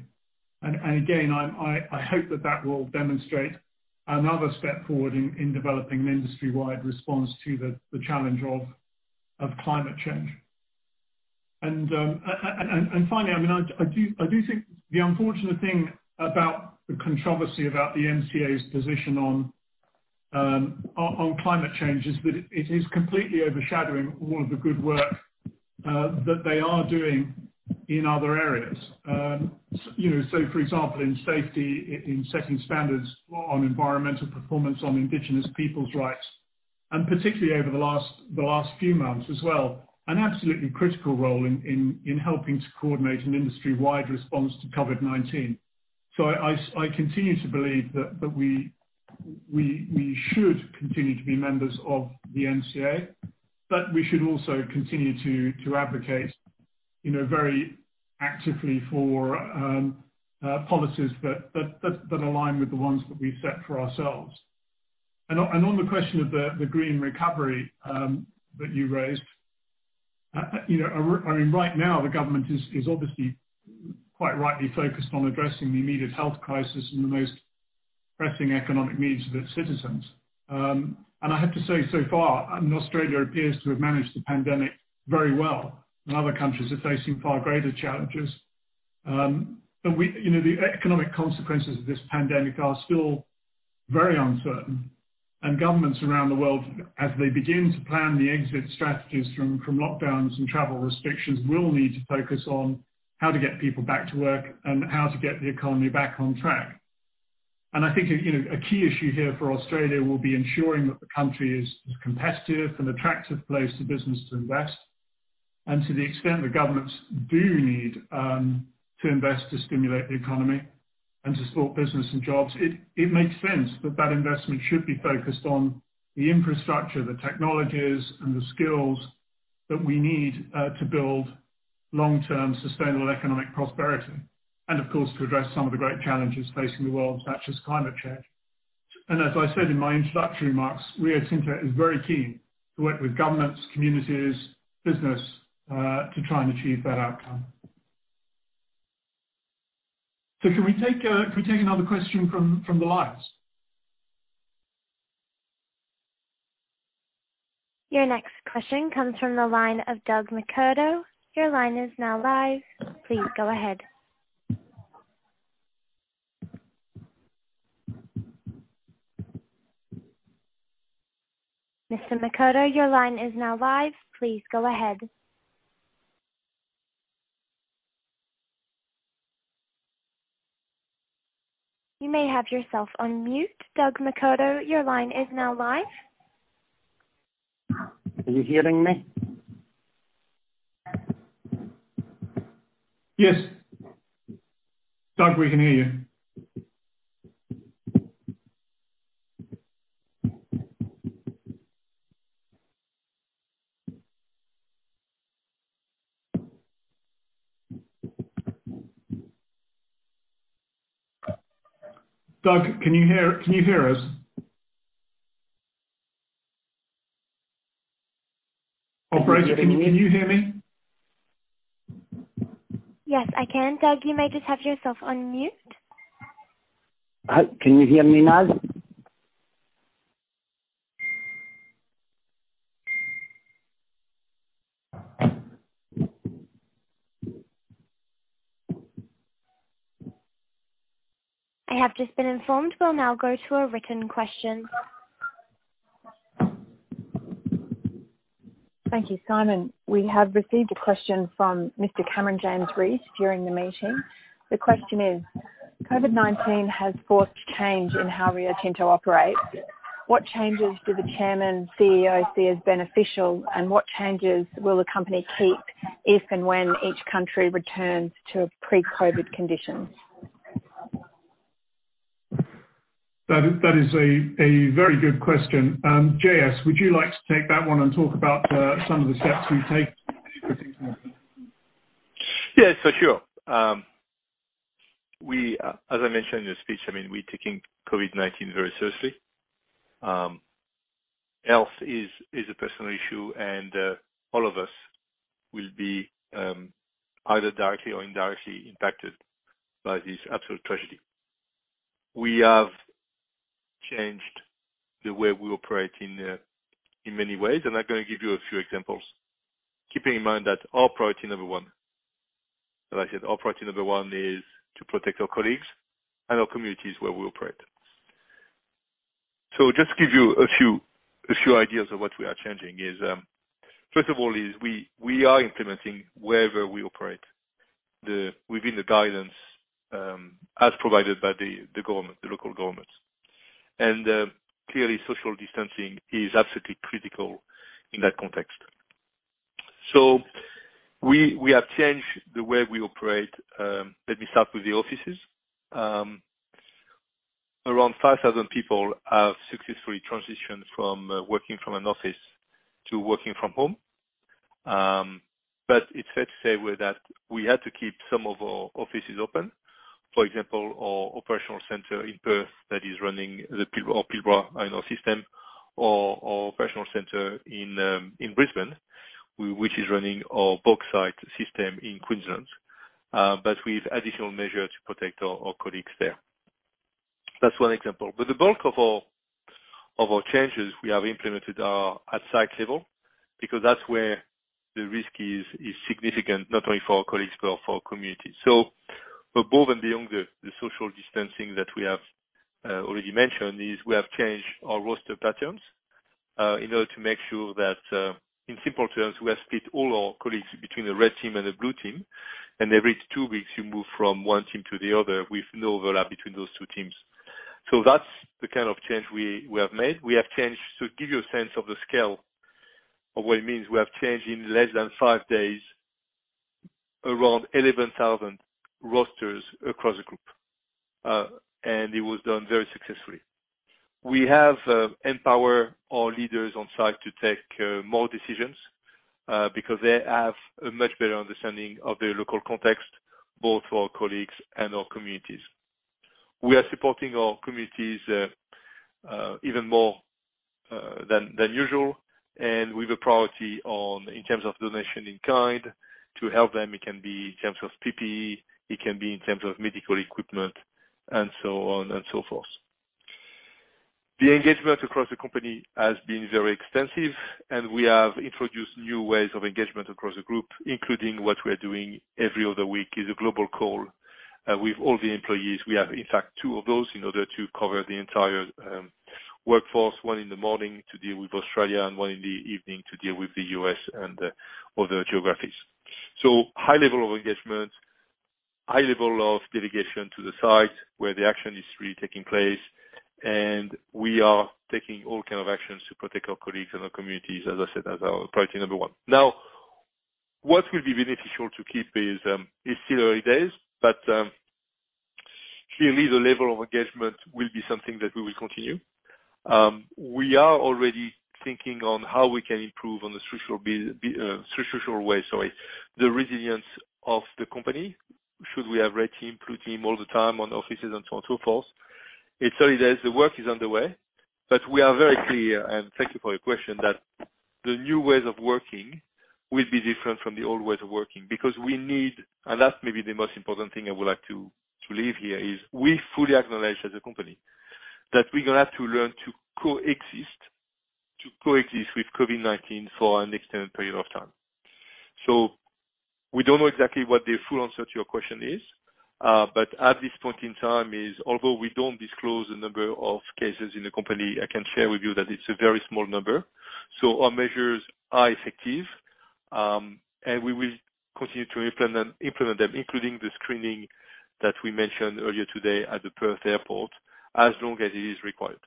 Again, I hope that that will demonstrate another step forward in developing an industry-wide response to the challenge of climate change. Finally, I do think the unfortunate thing about the controversy about the MCA's position on climate change is that it is completely overshadowing all of the good work that they are doing in other areas. For example, in safety, in setting standards on environmental performance, on indigenous people's rights, and particularly over the last few months as well, an absolutely critical role in helping to coordinate an industry-wide response to COVID-19. I continue to believe that we should continue to be members of the MCA, but we should also continue to advocate very actively for policies that align with the ones that we've set for ourselves. On the question of the green recovery that you raised. Right now, the government is obviously quite rightly focused on addressing the immediate health crisis and the most pressing economic needs of its citizens. I have to say, so far, Australia appears to have managed the pandemic very well, other countries are facing far greater challenges. The economic consequences of this pandemic are still very uncertain, governments around the world, as they begin to plan the exit strategies from lockdowns and travel restrictions, will need to focus on how to get people back to work and how to get the economy back on track. I think a key issue here for Australia will be ensuring that the country is a competitive and attractive place for business to invest. To the extent that governments do need to invest to stimulate the economy and to support business and jobs, it makes sense that that investment should be focused on the infrastructure, the technologies, and the skills that we need to build long-term sustainable economic prosperity, and of course, to address some of the great challenges facing the world, such as climate change. As I said in my introductory remarks, Rio Tinto is very keen to work with governments, communities, business, to try and achieve that outcome. Can we take another question from the lines? Your next question comes from the line of Doug McMurdo. Your line is now live. Please go ahead. I have just been informed we'll now go to a written question. Thank you, Simon. We have received a question from Mr. [Cameron James Rees] during the meeting. The question is: COVID-19 has forced change in how Rio Tinto operates. What changes do the chairman and CEO see as beneficial, and what changes will the company keep if and when each country returns to pre-COVID conditions? That is a very good question. JS, would you like to take that one and talk about some of the steps we've taken in particular? Yes, for sure. As I mentioned in the speech, we're taking COVID-19 very seriously. Health is a personal issue, all of us will be either directly or indirectly impacted by this absolute tragedy. We have changed the way we operate in many ways, I'm going to give you a few examples. Keeping in mind that our priority number one is to protect our colleagues and our communities where we operate. Just to give you a few ideas of what we are changing is, first of all, we are implementing wherever we operate within the guidance, as provided by the local government. Clearly, social distancing is absolutely critical in that context. We have changed the way we operate. Let me start with the offices. Around 5,000 people have successfully transitioned from working from an office to working from home. It's fair to say that we had to keep some of our offices open. For example, our operational center in Perth that is running the Pilbara iron ore system, or our operational center in Brisbane, which is running our bauxite system in Queensland, with additional measures to protect our colleagues there. That's one example. The bulk of our changes we have implemented are at site level because that's where the risk is significant, not only for our colleagues but for our community. Above and beyond the social distancing that we have already mentioned is we have changed our roster patterns, in order to make sure that, in simple terms, we have split all our colleagues between the red team and the blue team, and every two weeks, you move from one team to the other with no overlap between those two teams. That's the kind of change we have made. To give you a sense of the scale of what it means, we have changed in less than five days around 11,000 rosters across the group. It was done very successfully. We have empowered our leaders on-site to take more decisions because they have a much better understanding of the local context, both for our colleagues and our communities. We are supporting our communities even more than usual, with a priority in terms of donation in kind to help them. It can be in terms of PPE, it can be in terms of medical equipment, and so on and so forth. The engagement across the company has been very extensive, we have introduced new ways of engagement across the group, including what we're doing every other week is a global call with all the employees. We have, in fact, two of those in order to cover the entire workforce, one in the morning to deal with Australia and one in the evening to deal with the U.S. and other geographies. High level of engagement, high level of delegation to the site where the action is really taking place. We are taking all kind of actions to protect our colleagues and our communities, as I said, as our priority number one. Now, what will be beneficial to keep is, it's still early days, but clearly the level of engagement will be something that we will continue. We are already thinking on how we can improve on a structural way, sorry, the resilience of the company. Should we have red team, blue team all the time on offices and so on and so forth? It's early days, the work is underway, but we are very clear, and thank you for your question, that the new ways of working will be different from the old ways of working. We need, and that's maybe the most important thing I would like to leave here is, we fully acknowledge as a company that we're going to have to learn to coexist with COVID-19 for an extended period of time. We don't know exactly what the full answer to your question is. At this point in time is, although we don't disclose the number of cases in the company, I can share with you that it's a very small number. Our measures are effective, and we will continue to implement them, including the screening that we mentioned earlier today at the Perth Airport, as long as it is required.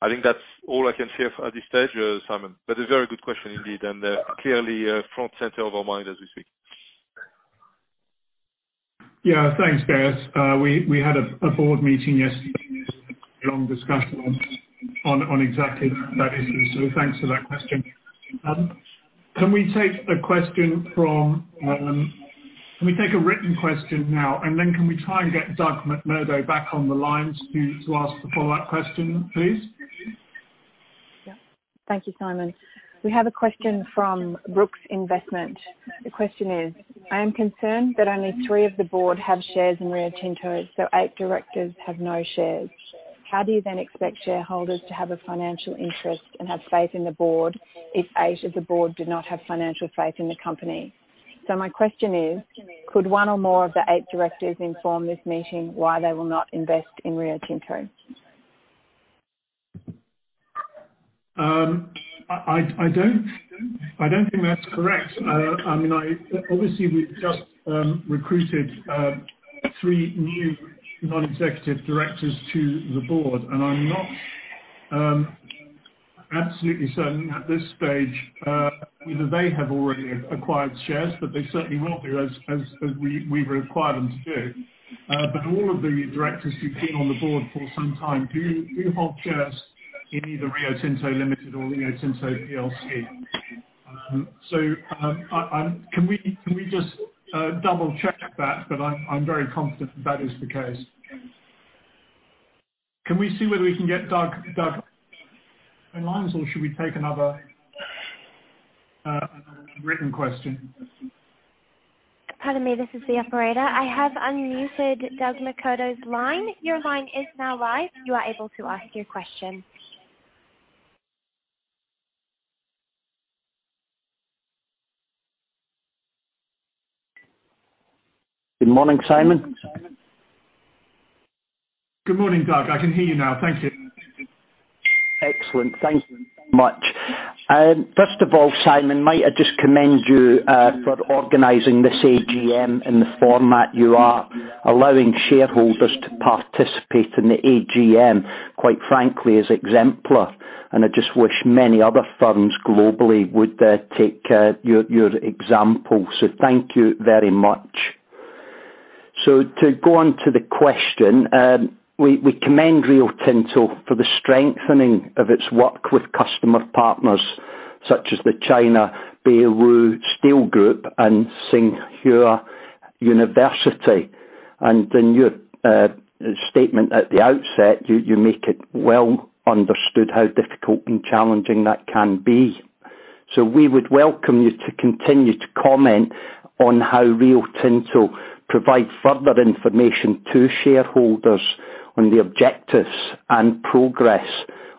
I think that's all I can share at this stage, Simon. A very good question indeed, and clearly front and center of our mind as we speak. Yeah. Thanks, guys. We had a board meeting yesterday. There was a long discussion on exactly that issue. Thanks for that question. Can we take a written question now? Can we try and get Doug McMurdo back on the line to ask the follow-up question, please? Thank you, Simon. We have a question from Brooks Investment. The question is: I am concerned that only three of the board have shares in Rio Tinto, so eight directors have no shares. How do you then expect shareholders to have a financial interest and have faith in the board if eight of the board do not have financial faith in the company? My question is: Could one or more of the eight directors inform this meeting why they will not invest in Rio Tinto? I don't think that's correct. Obviously, we've just recruited 3 new non-executive directors to the board, and I'm not absolutely certain at this stage whether they have already acquired shares, but they certainly will do as we require them to do. All of the directors who've been on the board for some time do hold shares in either Rio Tinto Limited or Rio Tinto PLC. Can we just double-check that? I'm very confident that is the case. Can we see whether we can get Doug on the lines, or should we take another written question? Pardon me, this is the operator. I have unmuted Doug McMurdo's line. Your line is now live. You are able to ask your question. Good morning, Simon. Good morning, Doug. I can hear you now. Thank you. Excellent. Thank you so much. First of all, Simon, might I just commend you for organizing this AGM in the format you are. Allowing shareholders to participate in the AGM, quite frankly, is exemplar, and I just wish many other firms globally would take your example. Thank you very much. To go on to the question, we commend Rio Tinto for the strengthening of its work with customer partners such as the China Baowu Steel Group and Tsinghua University. In your statement at the outset, you make it well understood how difficult and challenging that can be. We would welcome you to continue to comment on how Rio Tinto provide further information to shareholders on the objectives and progress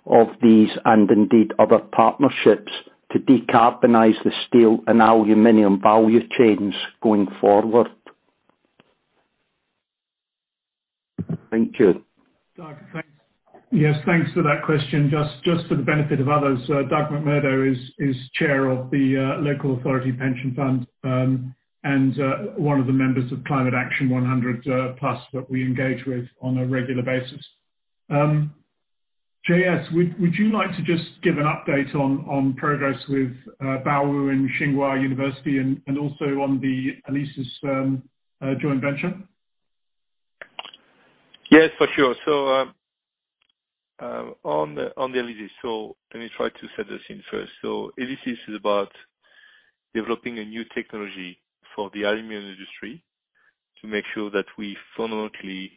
of these, and indeed other partnerships, to decarbonize the steel and aluminum value chains going forward. Thank you. Doug, thanks. Yes, thanks for that question. Just for the benefit of others, Doug McMurdo is chair of the Local Authority Pension Fund, and one of the members of Climate Action 100+ that we engage with on a regular basis. JS, would you like to just give an update on progress with Baowu and Tsinghua University and also on the ELYSIS joint venture? Yes, for sure. On the ELYSIS. Let me try to set the scene first. ELYSIS is about developing a new technology for the aluminum industry to make sure that we fundamentally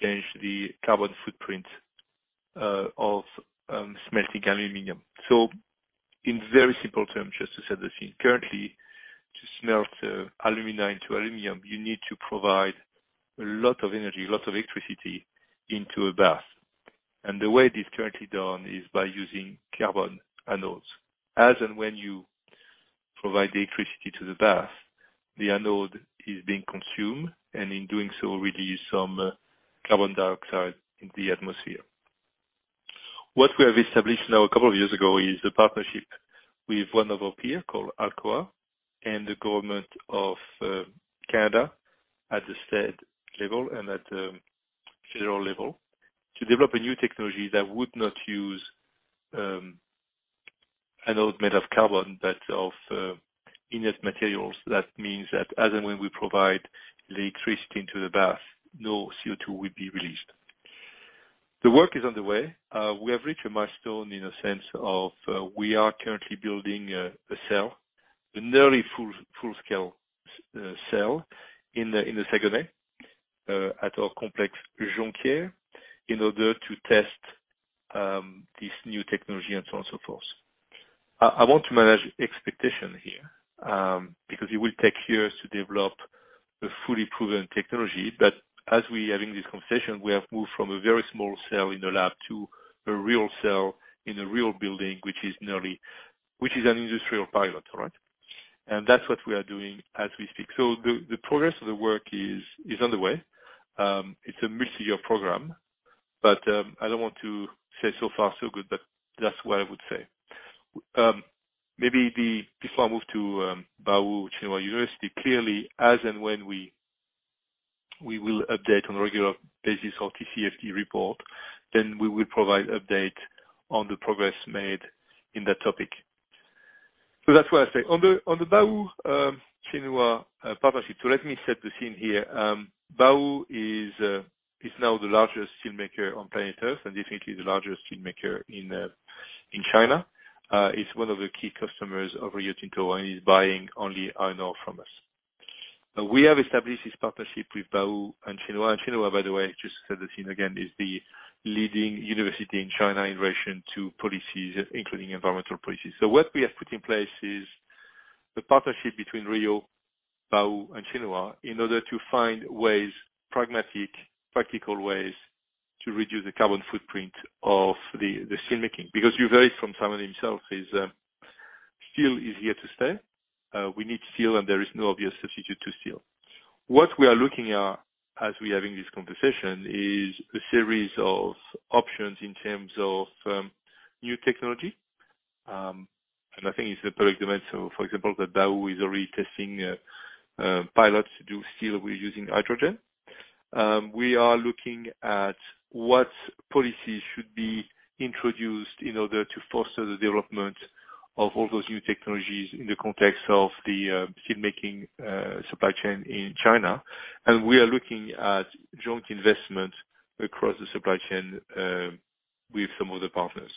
change the carbon footprint of smelting aluminum. In very simple terms, just to set the scene, currently, to smelt alumina into aluminum, you need to provide a lot of energy, lots of electricity into a bath. The way it is currently done is by using carbon anodes. As and when you provide the electricity to the bath, the anode is being consumed, and in doing so, release some carbon dioxide in the atmosphere. What we have established now a couple of years ago is a partnership with one of our peers called Alcoa and the government of Canada at the state level and at general level, to develop a new technology that would not use anode made of carbon, but of inert materials. That means that as and when we provide the electricity into the bath, no CO2 will be released. The work is on the way. We have reached a milestone in a sense of we are currently building a cell, a nearly full-scale cell in Saguenay, at our Complexe Jonquière, in order to test this new technology and so on and so forth. I want to manage expectation here, because it will take years to develop a fully proven technology. As we are having this conversation, we have moved from a very small cell in the lab to a real cell in a real building, which is an industrial pilot. Right? That's what we are doing as we speak. The progress of the work is on the way. It's a multi-year program, but I don't want to say so far so good, but that's what I would say. Maybe before I move to Baowu-Tsinghua University. Clearly, as and when we will update on a regular basis our TCFD report, we will provide update on the progress made in that topic. That's what I say. On the Baowu-Tsinghua partnership. Let me set the scene here. Baowu is now the largest steelmaker on planet Earth and definitely the largest steelmaker in China. It's one of the key customers of Rio Tinto and is buying only iron ore from us. We have established this partnership with Baowu and Tsinghua. Tsinghua, by the way, just to set the scene again, is the leading university in China in relation to policies, including environmental policies. What we have put in place is the partnership between Rio, Baowu, and Tsinghua in order to find ways, pragmatic, practical ways, to reduce the carbon footprint of the steelmaking. Because you heard it from Simon himself, steel is here to stay. We need steel and there is no obvious substitute to steel. What we are looking at as we are having this conversation is a series of options in terms of new technology, and I think it's a public domain. For example, that Baowu is already testing pilots to do steel using hydrogen. We are looking at what policies should be introduced in order to foster the development of all those new technologies in the context of the steel making supply chain in China. We are looking at joint investment across the supply chain with some other partners.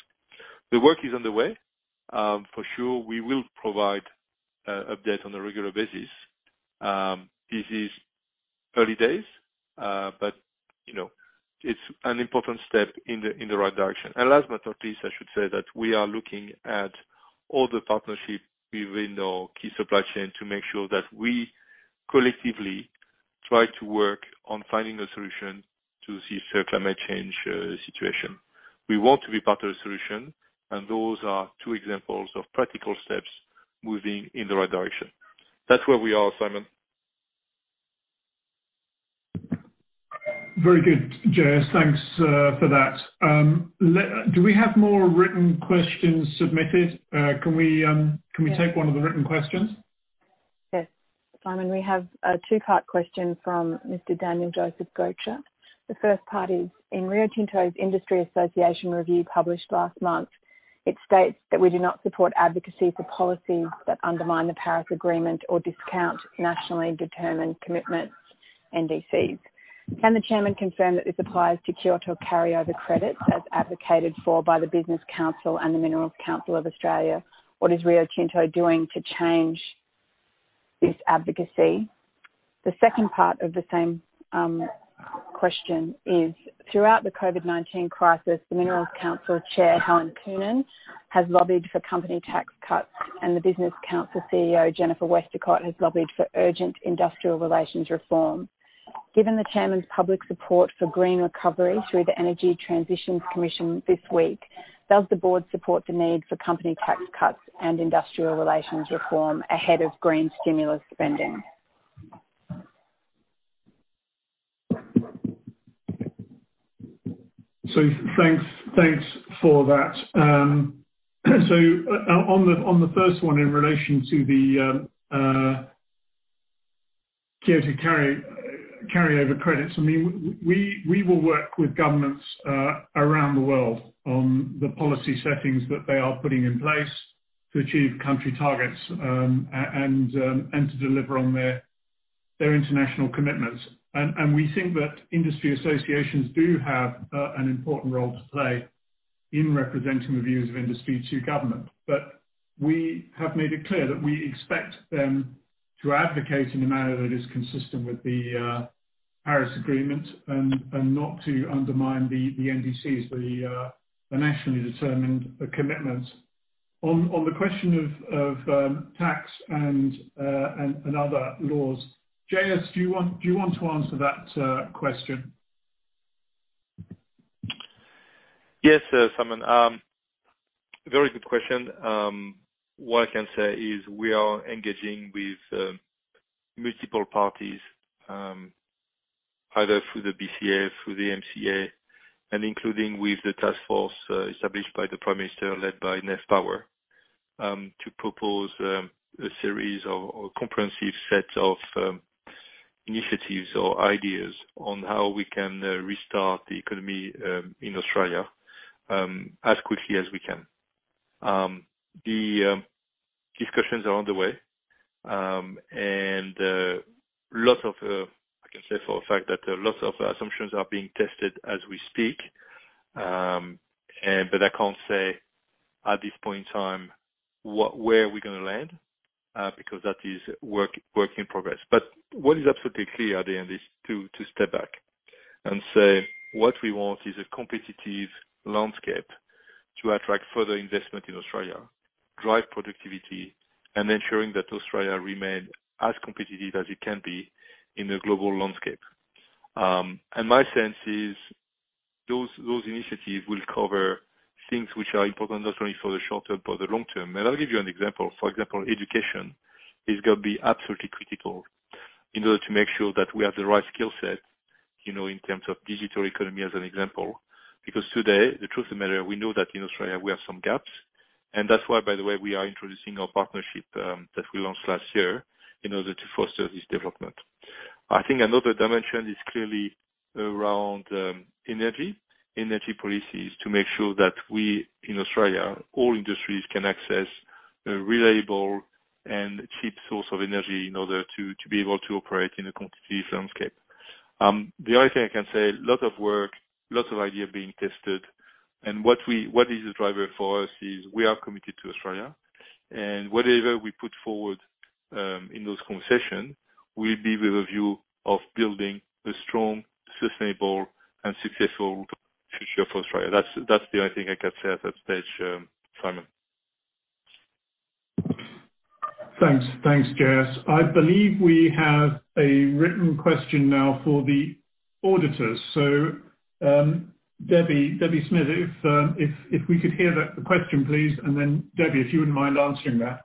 The work is on the way. For sure, we will provide update on a regular basis. This is early days, but it's an important step in the right direction. Last but not least, I should say that we are looking at all the partnership within our key supply chain to make sure that we collectively try to work on finding a solution to this climate change situation. We want to be part of the solution, and those are two examples of practical steps moving in the right direction. That's where we are, Simon. Very good, JS. Thanks for that. Do we have more written questions submitted? Can we take one of the written questions? Yes. Simon, we have a two-part question from Mr. Daniel Joseph Goacher. The first part is, in Rio Tinto's Industry Association review published last month, it states that we do not support advocacy for policies that undermine the Paris Agreement or discount nationally determined commitments NDCs. Can the chairman confirm that this applies to Kyoto carryover credit as advocated for by the Business Council and the Minerals Council of Australia? What is Rio Tinto doing to change this advocacy? The second part of the same question is, throughout the COVID-19 crisis, the Minerals Council Chair, Helen Coonan, has lobbied for company tax cuts and the Business Council CEO, Jennifer Westacott, has lobbied for urgent industrial relations reform. Given the Chairman's public support for green recovery through the Energy Transitions Commission this week, does the board support the need for company tax cuts and industrial relations reform ahead of green stimulus spending? Thanks for that. On the first one in relation to the Kyoto carryover credits. We will work with governments around the world on the policy settings that they are putting in place to achieve country targets and to deliver on their international commitments. We think that industry associations do have an important role to play in representing the views of industry to government. We have made it clear that we expect them to advocate in a manner that is consistent with the Paris Agreement and not to undermine the NDCs, the nationally determined commitments. On the question of tax and other laws, J.S., do you want to answer that question. Yes, Simon. Very good question. What I can say is we are engaging with multiple parties, either through the BCA, through the MCA, and including with the task force established by the Prime Minister, led by Nev Power, to propose a series or a comprehensive set of initiatives or ideas on how we can restart the economy in Australia as quickly as we can. The discussions are underway. I can say for a fact that a lot of assumptions are being tested as we speak. I can't say at this point in time where we're going to land, because that is work in progress. What is absolutely clear, at the end, is to step back and say, what we want is a competitive landscape to attract further investment in Australia, drive productivity, and ensuring that Australia remains as competitive as it can be in the global landscape. My sense is those initiatives will cover things which are important not only for the short term, but the long term. I'll give you an example. For example, education is going to be absolutely critical in order to make sure that we have the right skill set, in terms of digital economy as an example. Because today, the truth of the matter, we know that in Australia we have some gaps. That's why, by the way, we are introducing our partnership that we launched last year in order to foster this development. I think another dimension is clearly around energy policies to make sure that we, in Australia, all industries can access a reliable and cheap source of energy in order to be able to operate in a competitive landscape. The only thing I can say, lot of work, lots of ideas being tested, and what is the driver for us is we are committed to Australia, and whatever we put forward in those conversations will be with a view of building a strong, sustainable, and successful future for Australia. That's the only thing I can say at this stage, Simon. Thanks. Thanks, J.S. I believe we have a written question now for the auditors. Debbie Smith, if we could hear that question, please, and then Debbie, if you wouldn't mind answering that.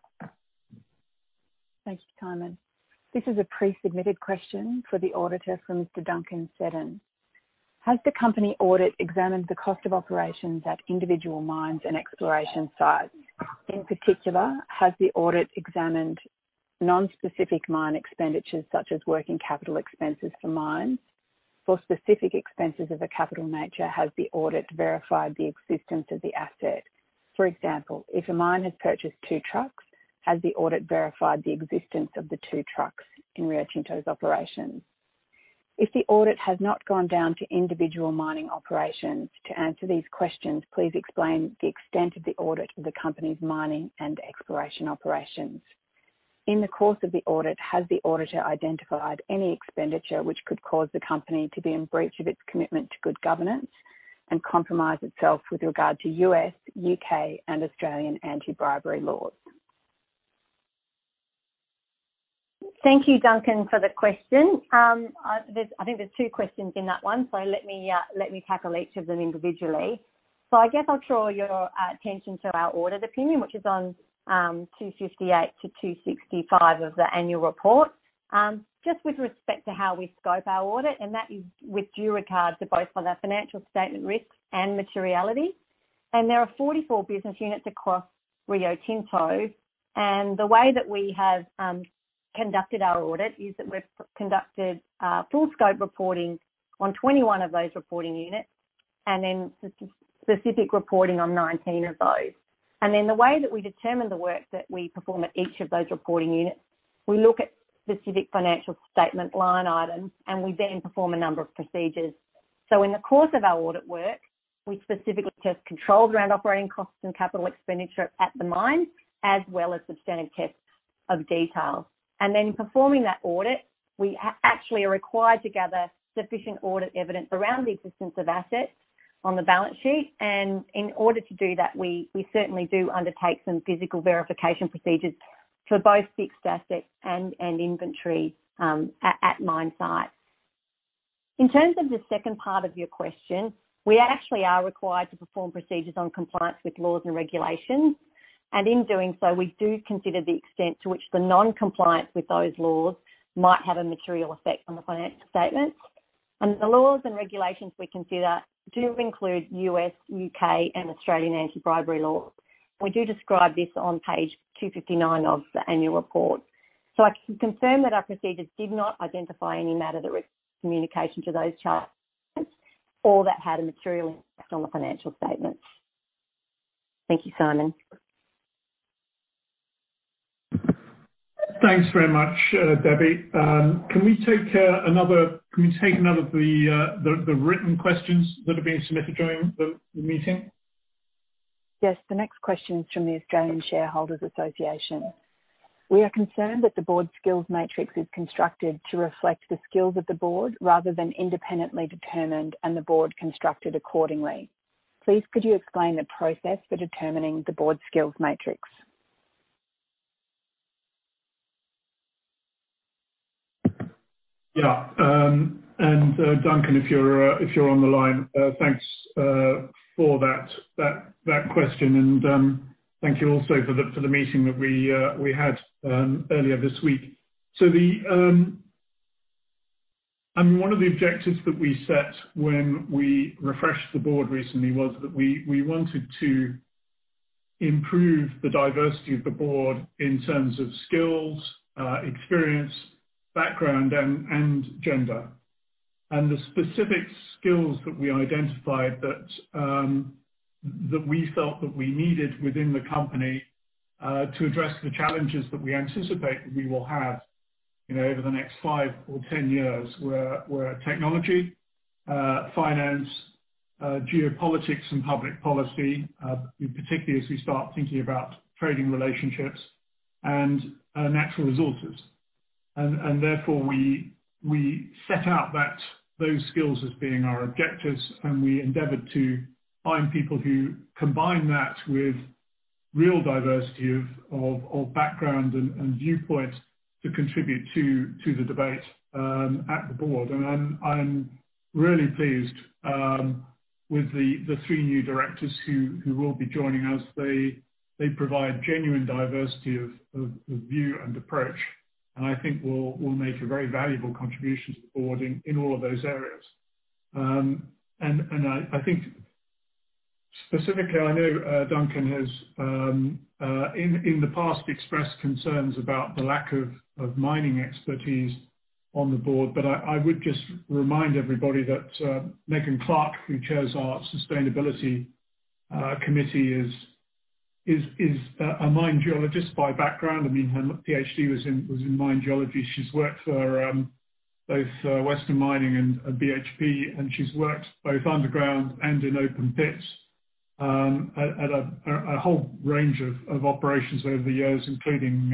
Thanks, Simon. This is a pre-submitted question for the auditor from [Mr. Duncan Seddon]. Has the company audit examined the cost of operations at individual mines and exploration sites? In particular, has the audit examined non-specific mine expenditures such as working capital expenses for mines? For specific expenses of a capital nature, has the audit verified the existence of the asset? For example, if a mine has purchased two trucks, has the audit verified the existence of the two trucks in Rio Tinto's operation? If the audit has not gone down to individual mining operations to answer these questions, please explain the extent of the audit of the company's mining and exploration operations. In the course of the audit, has the auditor identified any expenditure which could cause the company to be in breach of its commitment to good governance and compromise itself with regard to U.S., U.K., and Australian anti-bribery laws? Thank you, Duncan, for the question. I think there's two questions in that one, let me tackle each of them individually. I guess I'll draw your attention to our audit opinion, which is on 258-265 of the annual report. Just with respect to how we scope our audit, and that is with due regard to both on our financial statement risks and materiality. There are 44 business units across Rio Tinto, and the way that we have conducted our audit is that we've conducted full scope reporting on 21 of those reporting units, and then specific reporting on 19 of those. The way that we determine the work that we perform at each of those reporting units, we look at specific financial statement line items, and we then perform a number of procedures. In the course of our audit work, we specifically test controls around operating costs and capital expenditure at the mine, as well as substantive tests of detail. Then performing that audit, we actually are required to gather sufficient audit evidence around the existence of assets on the balance sheet. In order to do that, we certainly do undertake some physical verification procedures for both fixed assets and inventory at mine sites. In terms of the second part of your question, we actually are required to perform procedures on compliance with laws and regulations. In doing so, we do consider the extent to which the non-compliance with those laws might have a material effect on the financial statements. The laws and regulations we consider do include U.S., U.K., and Australian anti-bribery laws. We do describe this on page 259 of the annual report. I can confirm that our procedures did not identify any matter that requires communication to those charged. That had a material impact on the financial statements. Thank you, Simon. Thanks very much, Debbie. Can we take another of the written questions that have been submitted during the meeting? Yes. The next question is from the Australian Shareholders Association. We are concerned that the board skills matrix is constructed to reflect the skills of the board rather than independently determined and the board constructed accordingly. Please could you explain the process for determining the board skills matrix? Yeah. Duncan, if you're on the line, thanks for that question, and thank you also for the meeting that we had earlier this week. One of the objectives that we set when we refreshed the board recently was that we wanted to improve the diversity of the board in terms of skills, experience, background, and gender. The specific skills that we identified that we felt that we needed within the company to address the challenges that we anticipate that we will have over the next five or 10 years, were technology, finance, geopolitics, and public policy, particularly as we start thinking about trading relationships and natural resources. Therefore, we set out those skills as being our objectives, and we endeavored to find people who combine that with real diversity of background and viewpoint to contribute to the debate at the board. I'm really pleased with the three new directors who will be joining us. They provide genuine diversity of view and approach. I think will make a very valuable contribution to the board in all of those areas. I think specifically, I know Duncan has in the past expressed concerns about the lack of mining expertise on the board. I would just remind everybody that Megan Clark, who chairs our sustainability committee, is a mine geologist by background. Her PhD was in mine geology. She's worked for both Western Mining and BHP, and she's worked both underground and in open pits at a whole range of operations over the years, including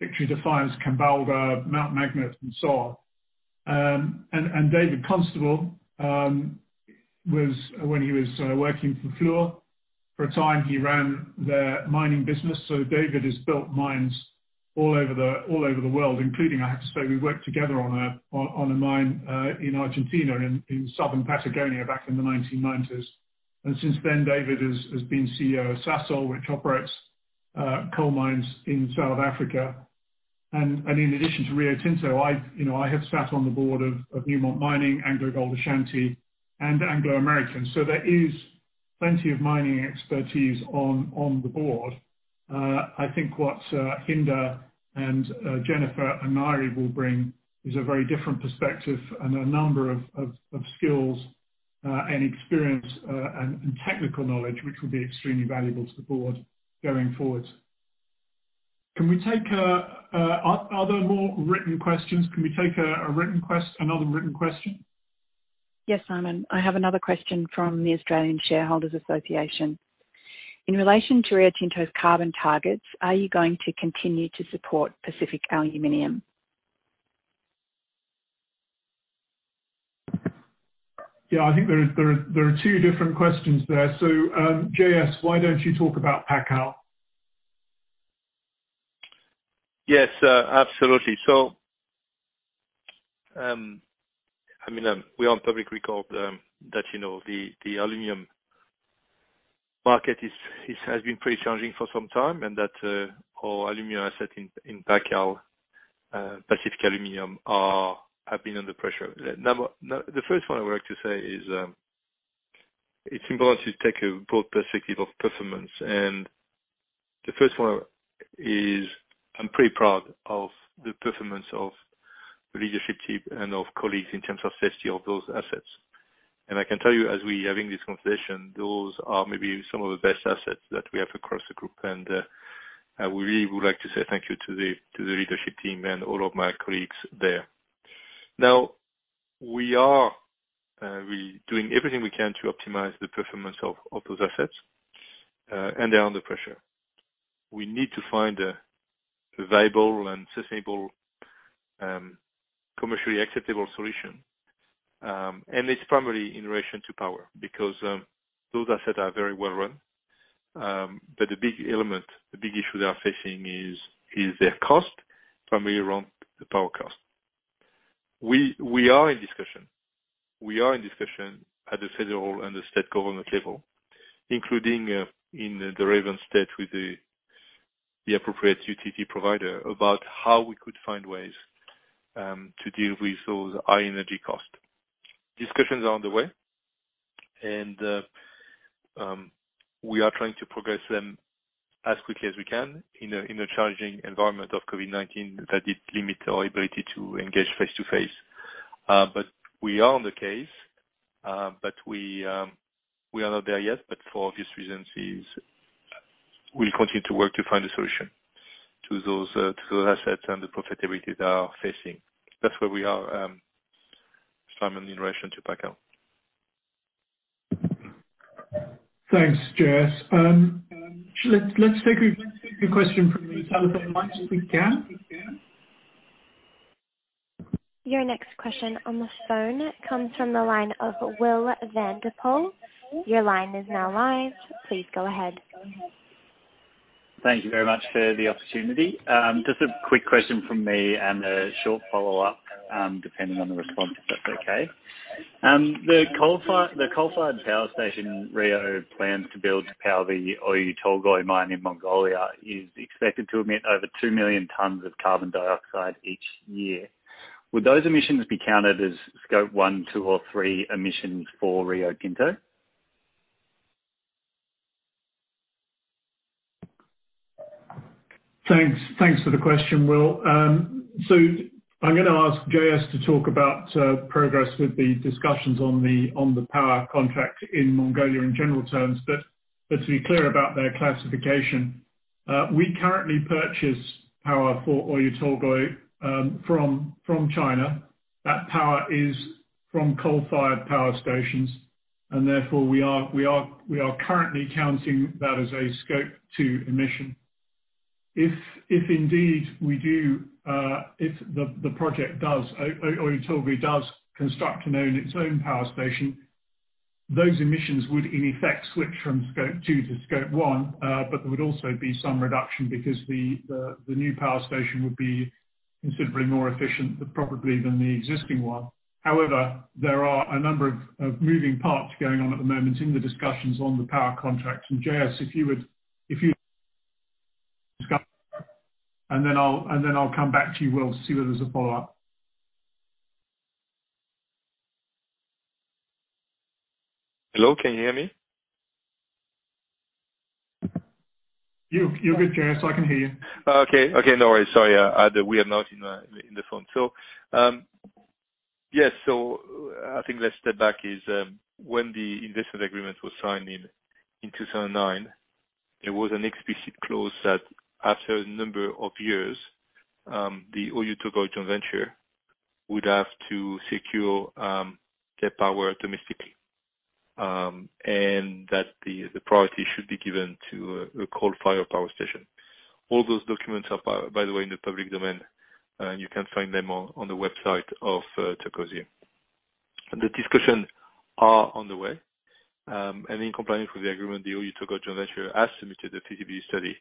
Victory-Defiance, Kambalda, Mount Magnet, and so on. David Constable when he was working for Fluor, for a time, he ran their mining business. David has built mines all over the world, including, I have to say, we worked together on a mine in Argentina, in Southern Patagonia back in the 1990s. Since then, David has been CEO of Sasol, which operates coal mines in South Africa. In addition to Rio Tinto, I have sat on the board of Newmont Mining, AngloGold Ashanti, and Anglo American. There is plenty of mining expertise on the board. I think what Hinda and Jennifer and Ngaire will bring is a very different perspective and a number of skills and experience and technical knowledge, which will be extremely valuable to the board going forward. Are there more written questions? Can we take another written question? Yes, Simon. I have another question from the Australian Shareholders Association. In relation to Rio Tinto's carbon targets, are you going to continue to support Pacific Aluminium? Yeah, I think there are two different questions there. JS, why don't you talk about PacAl? Yes, absolutely. We are on public record that the aluminium market has been pretty challenging for some time, and that our aluminium asset in PacAl, Pacific Aluminium, have been under pressure. The first one I would like to say is, it's important to take a broad perspective of performance. The first one is, I'm pretty proud of the performance of the leadership team and of colleagues in terms of safety of those assets. I can tell you as we are having this conversation, those are maybe some of the best assets that we have across the group. I really would like to say thank you to the leadership team and all of my colleagues there. We are really doing everything we can to optimize the performance of those assets, and they are under pressure. We need to find a viable and sustainable, commercially acceptable solution. It's primarily in relation to power, because those assets are very well run. The big element, the big issue they are facing is their cost, primarily around the power cost. We are in discussion at the federal and the state government level, including in the relevant state with the appropriate utility provider, about how we could find ways to deal with those high energy costs. Discussions are underway. We are trying to progress them as quickly as we can in a challenging environment of COVID-19 that did limit our ability to engage face-to-face. We are on the case. We are not there yet, for obvious reasons, we'll continue to work to find a solution to those assets and the profitability that are facing. That's where we are, Simon, in relation to PacAl. Thanks, JS. Let's take a question from the telephone lines if we can. Your next question on the phone comes from the line of Will van de Pol. Your line is now live. Please go ahead. Thank you very much for the opportunity. Just a quick question from me and a short follow-up, depending on the response, if that's okay. The coal-fired power station Rio plans to build to power the Oyu Tolgoi mine in Mongolia is expected to emit over 2 million tons of carbon dioxide each year. Would those emissions be counted as Scope 1, 2 or 3 emissions for Rio Tinto? Thanks for the question, Will. I'm going to ask JS to talk about progress with the discussions on the power contract in Mongolia in general terms. To be clear about their classification, we currently purchase power for Oyu Tolgoi from China. That power is from coal-fired power stations, and therefore we are currently counting that as a Scope 2 emission. If indeed Oyu Tolgoi does construct and own its own power station, those emissions would in effect switch from Scope 2 to Scope 1, but there would also be some reduction because the new power station would be considerably more efficient probably than the existing one. However, there are a number of moving parts going on at the moment in the discussions on the power contract. JS, if you would discuss, and then I'll come back to you, Will, to see whether there's a follow-up. Hello, can you hear me? You're good, JS, I can hear you. Okay. No worries. Sorry. We are now in the phone. Yes, I think let's step back is when the investment agreement was signed in 2009, there was an explicit clause that after a number of years, the Oyu Tolgoi joint venture would have to secure their power domestically, and that the priority should be given to a coal-fired power station. All those documents are, by the way, in the public domain, and you can find them on the website of Turquoise Hill. The discussions are on the way, and in compliance with the agreement, the Oyu Tolgoi joint venture has submitted a TDB study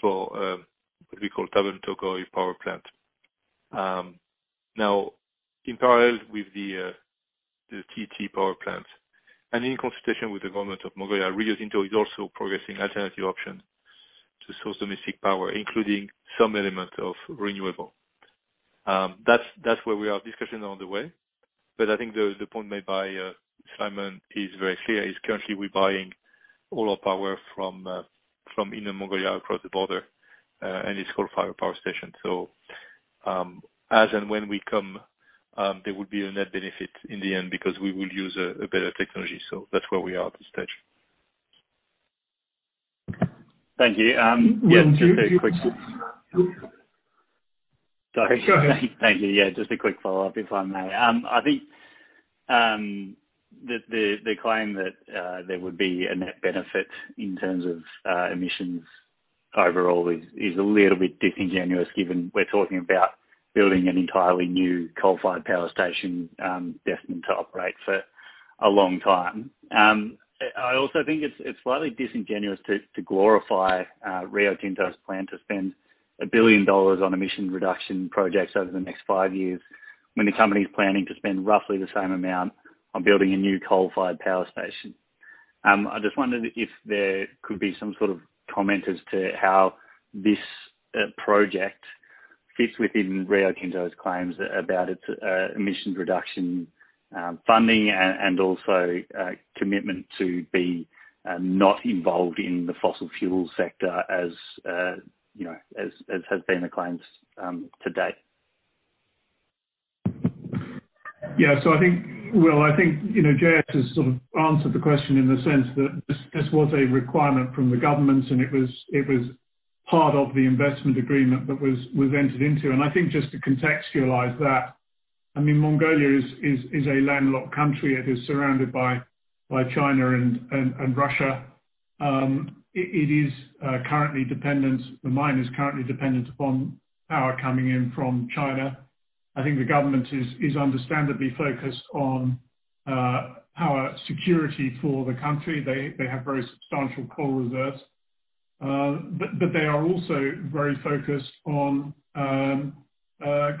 for what we call Tavan Tolgoi Power Plant. Now, in parallel with the TT power plant, and in consultation with the government of Mongolia, Rio Tinto is also progressing alternative options to source domestic power, including some element of renewable. That's where we are discussing on the way. I think the point made by Simon is very clear is currently we're buying all our power from Inner Mongolia across the border, and it's coal-fired power station. As and when we come, there would be a net benefit in the end because we will use a better technology. That's where we are at this stage. Thank you. Yeah. Just a quick follow-up, if I may. I think the claim that there would be a net benefit in terms of emissions overall is a little bit disingenuous given we're talking about building an entirely new coal-fired power station destined to operate for a long time. I also think it's slightly disingenuous to glorify Rio Tinto's plan to spend 1 billion dollars on emission reduction projects over the next five years when the company's planning to spend roughly the same amount on building a new coal-fired power station. I just wondered if there could be some sort of comment as to how this project fits within Rio Tinto's claims about its emissions reduction funding and also a commitment to be not involved in the fossil fuel sector as has been the claims to date. I think, Will, JS has sort of answered the question in the sense that this was a requirement from the government, and it was part of the investment agreement that was entered into. I think just to contextualize that, Mongolia is a landlocked country. It is surrounded by China and Russia. The mine is currently dependent upon power coming in from China. I think the government is understandably focused on power security for the country. They have very substantial coal reserves. They are also very focused on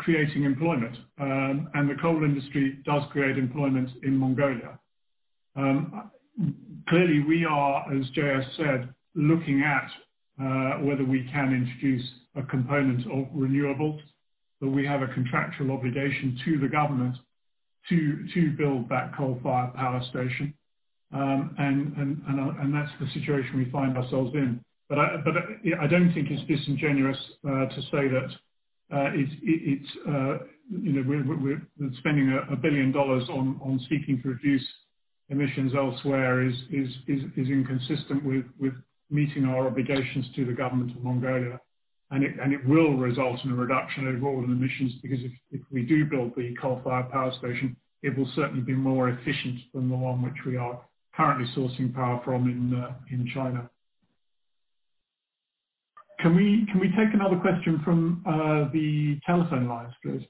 creating employment, and the coal industry does create employment in Mongolia. Clearly, we are, as JS said, looking at whether we can introduce a component of renewable, but we have a contractual obligation to the government to build that coal-fired power station. That's the situation we find ourselves in. I don't think it's disingenuous to say that we're spending 1 billion dollars on seeking to reduce emissions elsewhere is inconsistent with meeting our obligations to the government of Mongolia. It will result in a reduction overall in emissions, because if we do build the coal-fired power station, it will certainly be more efficient than the one which we are currently sourcing power from in China. Can we take another question from the telephone lines, please?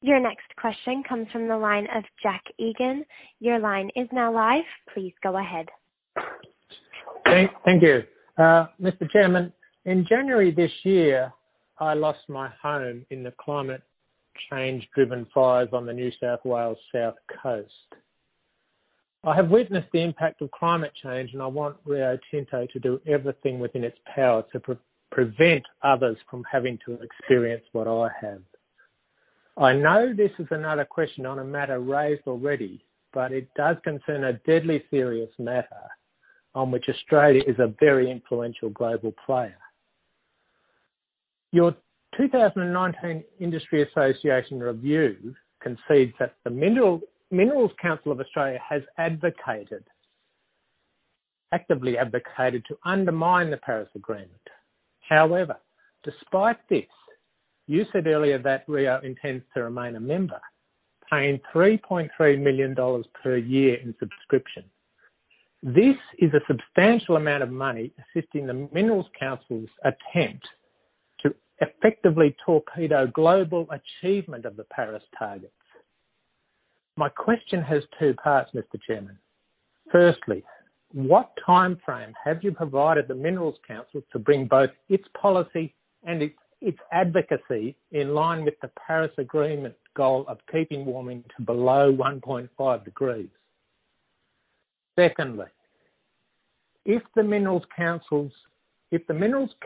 Your next question comes from the line of Jack Egan. Your line is now live. Please go ahead. Thank you. Mr. Chairman, in January this year, I lost my home in the climate change-driven fires on the New South Wales South Coast. I have witnessed the impact of climate change. I want Rio Tinto to do everything within its power to prevent others from having to experience what I have. I know this is another question on a matter raised already. It does concern a deadly serious matter on which Australia is a very influential global player. Your 2019 Industry Association Review concedes that the Minerals Council of Australia has actively advocated to undermine the Paris Agreement. However, despite this, you said earlier that Rio intends to remain a member, paying $3.3 million per year in subscription. This is a substantial amount of money assisting the Minerals Council's attempt to effectively torpedo global achievement of the Paris targets. My question has two parts, Mr. Chairman. Firstly, what timeframe have you provided the Minerals Council to bring both its policy and its advocacy in line with the Paris Agreement's goal of keeping warming to below 1.5 degrees? Secondly, if the Minerals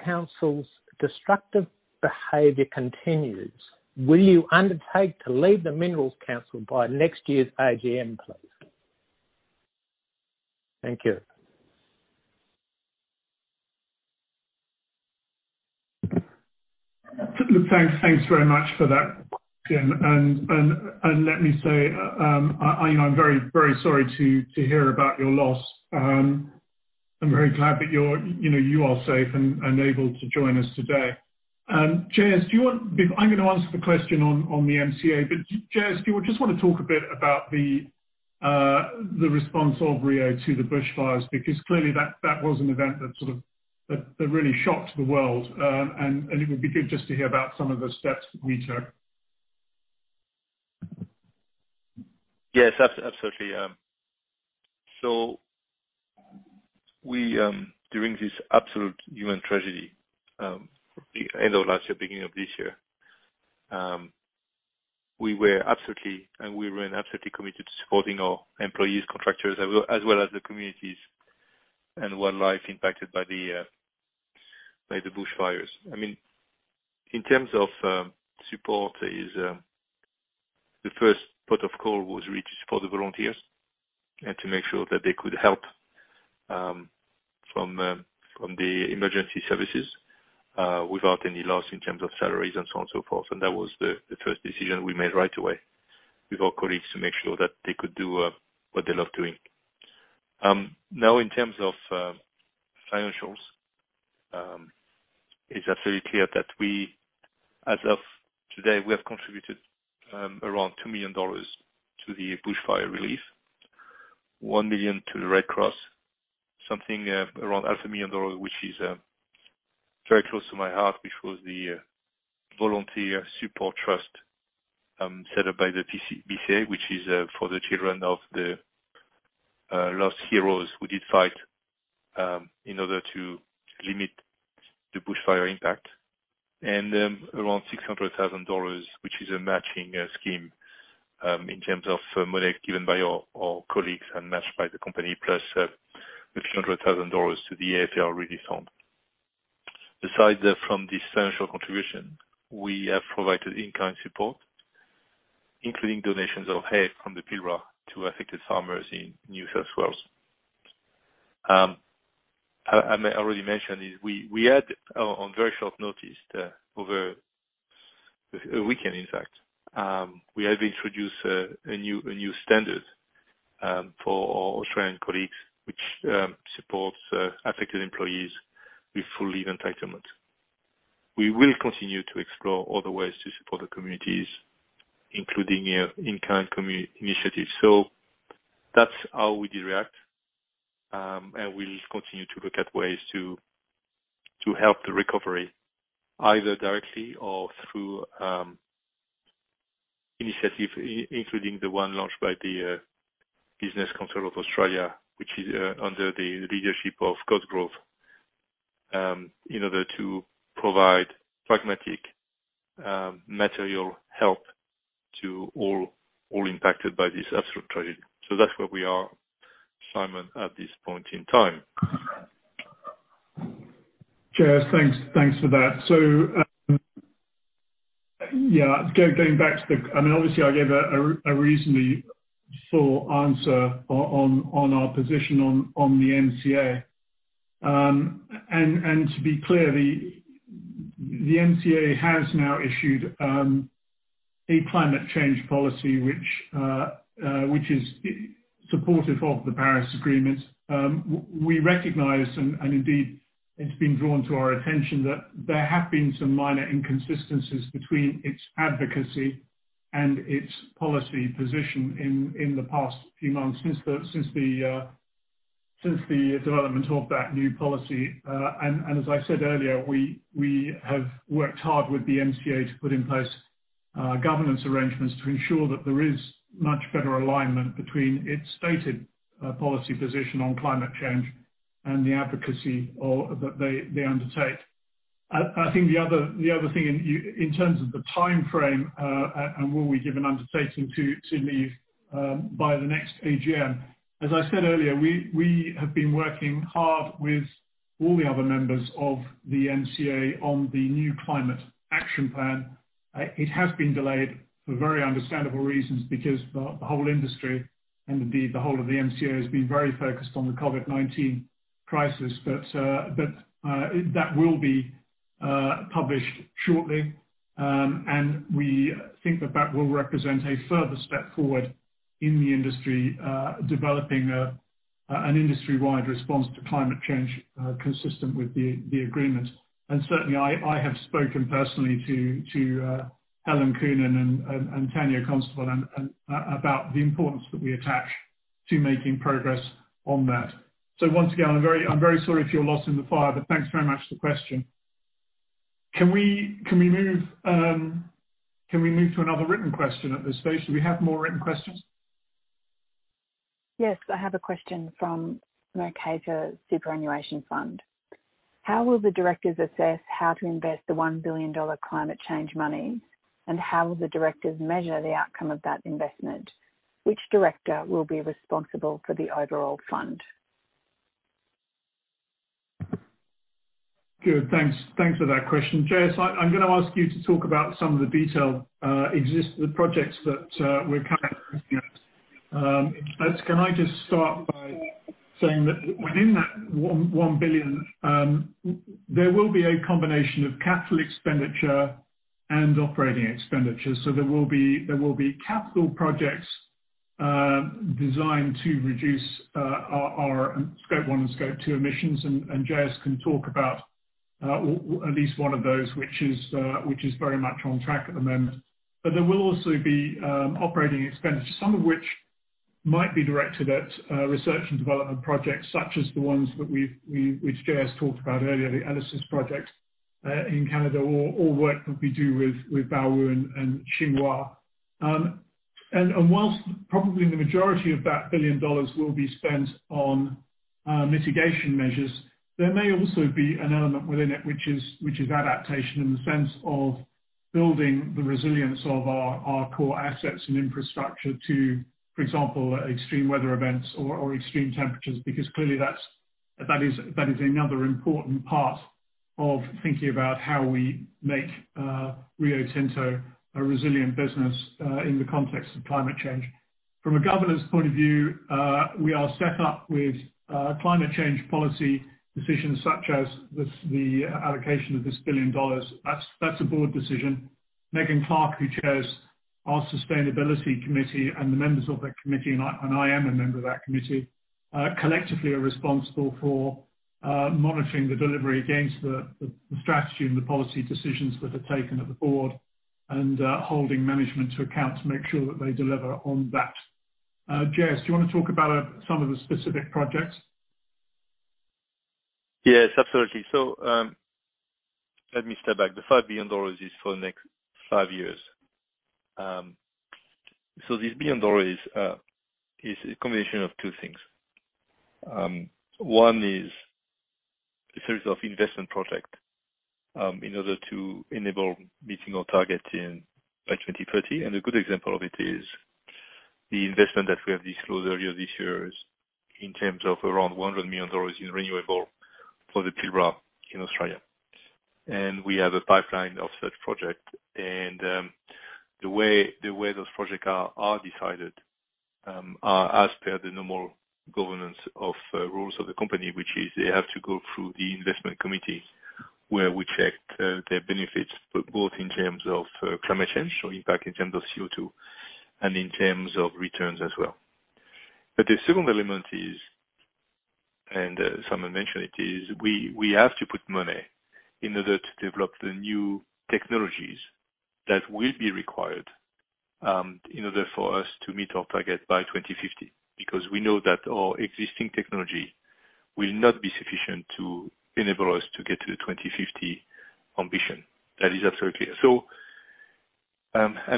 Council's destructive behavior continues, will you undertake to leave the Minerals Council by next year's AGM, please? Thank you. Thanks very much for that, Jim. Let me say, I'm very sorry to hear about your loss. I'm very glad that you are safe and able to join us today. I'm going to answer the question on the MCA, but JS, do you just want to talk a bit about the response of Rio to the bushfires? Clearly that was an event that really shocked the world. It would be good just to hear about some of the steps we took. Yes, absolutely. During this absolute human tragedy, end of last year, beginning of this year, we were absolutely committed to supporting our employees, contractors, as well as the communities and wildlife impacted by the bushfires. In terms of support is, the first port of call was really to support the volunteers and to make sure that they could help from the emergency services without any loss in terms of salaries and so on and so forth. That was the first decision we made right away with our colleagues to make sure that they could do what they love doing. In terms of financials, it's absolutely clear that we, as of today, we have contributed around $2 million to the bushfire relief, $1 million to the Red Cross, something $500,000, which is very close to my heart, which was the Volunteer Support Trust set up by the BCA, which is for the children of the lost heroes who did fight in order to limit the bushfire impact. Around $600,000, which is a matching scheme, in terms of money given by our colleagues and matched by the company, plus a few hundred thousand dollars to the AFL Relief Fund. Besides from the financial contribution, we have provided in-kind support, including donations of hay from the Pilbara to affected farmers in New South Wales. I already mentioned, on very short notice, over a weekend in fact, we have introduced a new standard for our Australian colleagues, which supports affected employees with full leave entitlement. We will continue to explore other ways to support the communities, including in-kind initiatives. That's how we did react. We'll continue to look at ways to help the recovery, either directly or through initiatives, including the one launched by the Business Council of Australia, which is under the leadership of Cosgrove, in order to provide pragmatic material help to all impacted by this absolute tragedy. That's where we are, Simon, at this point in time. J.S., thanks for that. Going back, obviously I gave a reasonably full answer on our position on the MCA. To be clear, the MCA has now issued a climate change policy which is supportive of the Paris Agreement. We recognize, and indeed it's been drawn to our attention, that there have been some minor inconsistencies between its advocacy and its policy position in the past few months since the development of that new policy. As I said earlier, we have worked hard with the MCA to put in place governance arrangements to ensure that there is much better alignment between its stated policy position on climate change and the advocacy that they undertake. I think the other thing in terms of the timeframe and will we give an undertaking to leave by the next AGM, as I said earlier, we have been working hard with all the other members of the MCA on the new climate action plan. It has been delayed for very understandable reasons because the whole industry, and indeed the whole of the MCA, has been very focused on the COVID-19 crisis. That will be published shortly. We think that that will represent a further step forward in the industry, developing an industry-wide response to climate change consistent with the agreement. Certainly I have spoken personally to Helen Coonan and Tania Constable about the importance that we attach to making progress on that. Once again, I'm very sorry if you're lost in the fire, but thanks very much for the question. Can we move to another written question at this stage? Do we have more written questions? Yes, I have a question from Mercator Superannuation Fund. How will the directors assess how to invest the $1 billion climate change money, and how will the directors measure the outcome of that investment? Which director will be responsible for the overall fund? Good. Thanks for that question. JS, I'm going to ask you to talk about some of the detailed existing projects that we're currently looking at. Can I just start by saying that within that $1 billion, there will be a combination of capital expenditure and operating expenditure. There will be capital projects designed to reduce our Scope 1 and Scope 2 emissions, and JS can talk about at least one of those, which is very much on track at the moment. There will also be operating expenditure, some of which might be directed at research and development projects, such as the ones which JS talked about earlier, the ELYSIS project in Canada or work that we do with Baowu and Tsinghua. Whilst probably the majority of that $1 billion will be spent on mitigation measures, there may also be an element within it which is adaptation in the sense of building the resilience of our core assets and infrastructure to, for example, extreme weather events or extreme temperatures, because clearly that is another important part of thinking about how we make Rio Tinto a resilient business in the context of climate change. From a governor's point of view, we are set up with climate change policy decisions such as the allocation of this $1 billion. That's a board decision. Megan Clark, who chairs our Sustainability Committee, and the members of that committee, and I am a member of that committee, collectively are responsible for monitoring the delivery against the strategy and the policy decisions that are taken at the board and holding management to account to make sure that they deliver on that. JS, do you want to talk about some of the specific projects? Yes, absolutely. Let me step back. The $5 billion is for the next 5 years. This $1 billion is a combination of two things. One is a series of investment project in order to enable meeting our target by 2030. A good example of it is the investment that we have disclosed earlier this year in terms of around $100 million in renewable for the Pilbara in Australia. We have a pipeline of such project. The way those projects are decided are as per the normal governance of rules of the company, which is they have to go through the investment committees where we check their benefits, both in terms of climate change, so impact in terms of CO2, and in terms of returns as well. The second element is, and Simon mentioned it, is we have to put money in order to develop the new technologies that will be required in order for us to meet our target by 2050, because we know that our existing technology will not be sufficient to enable us to get to the 2050 ambition. That is absolutely clear.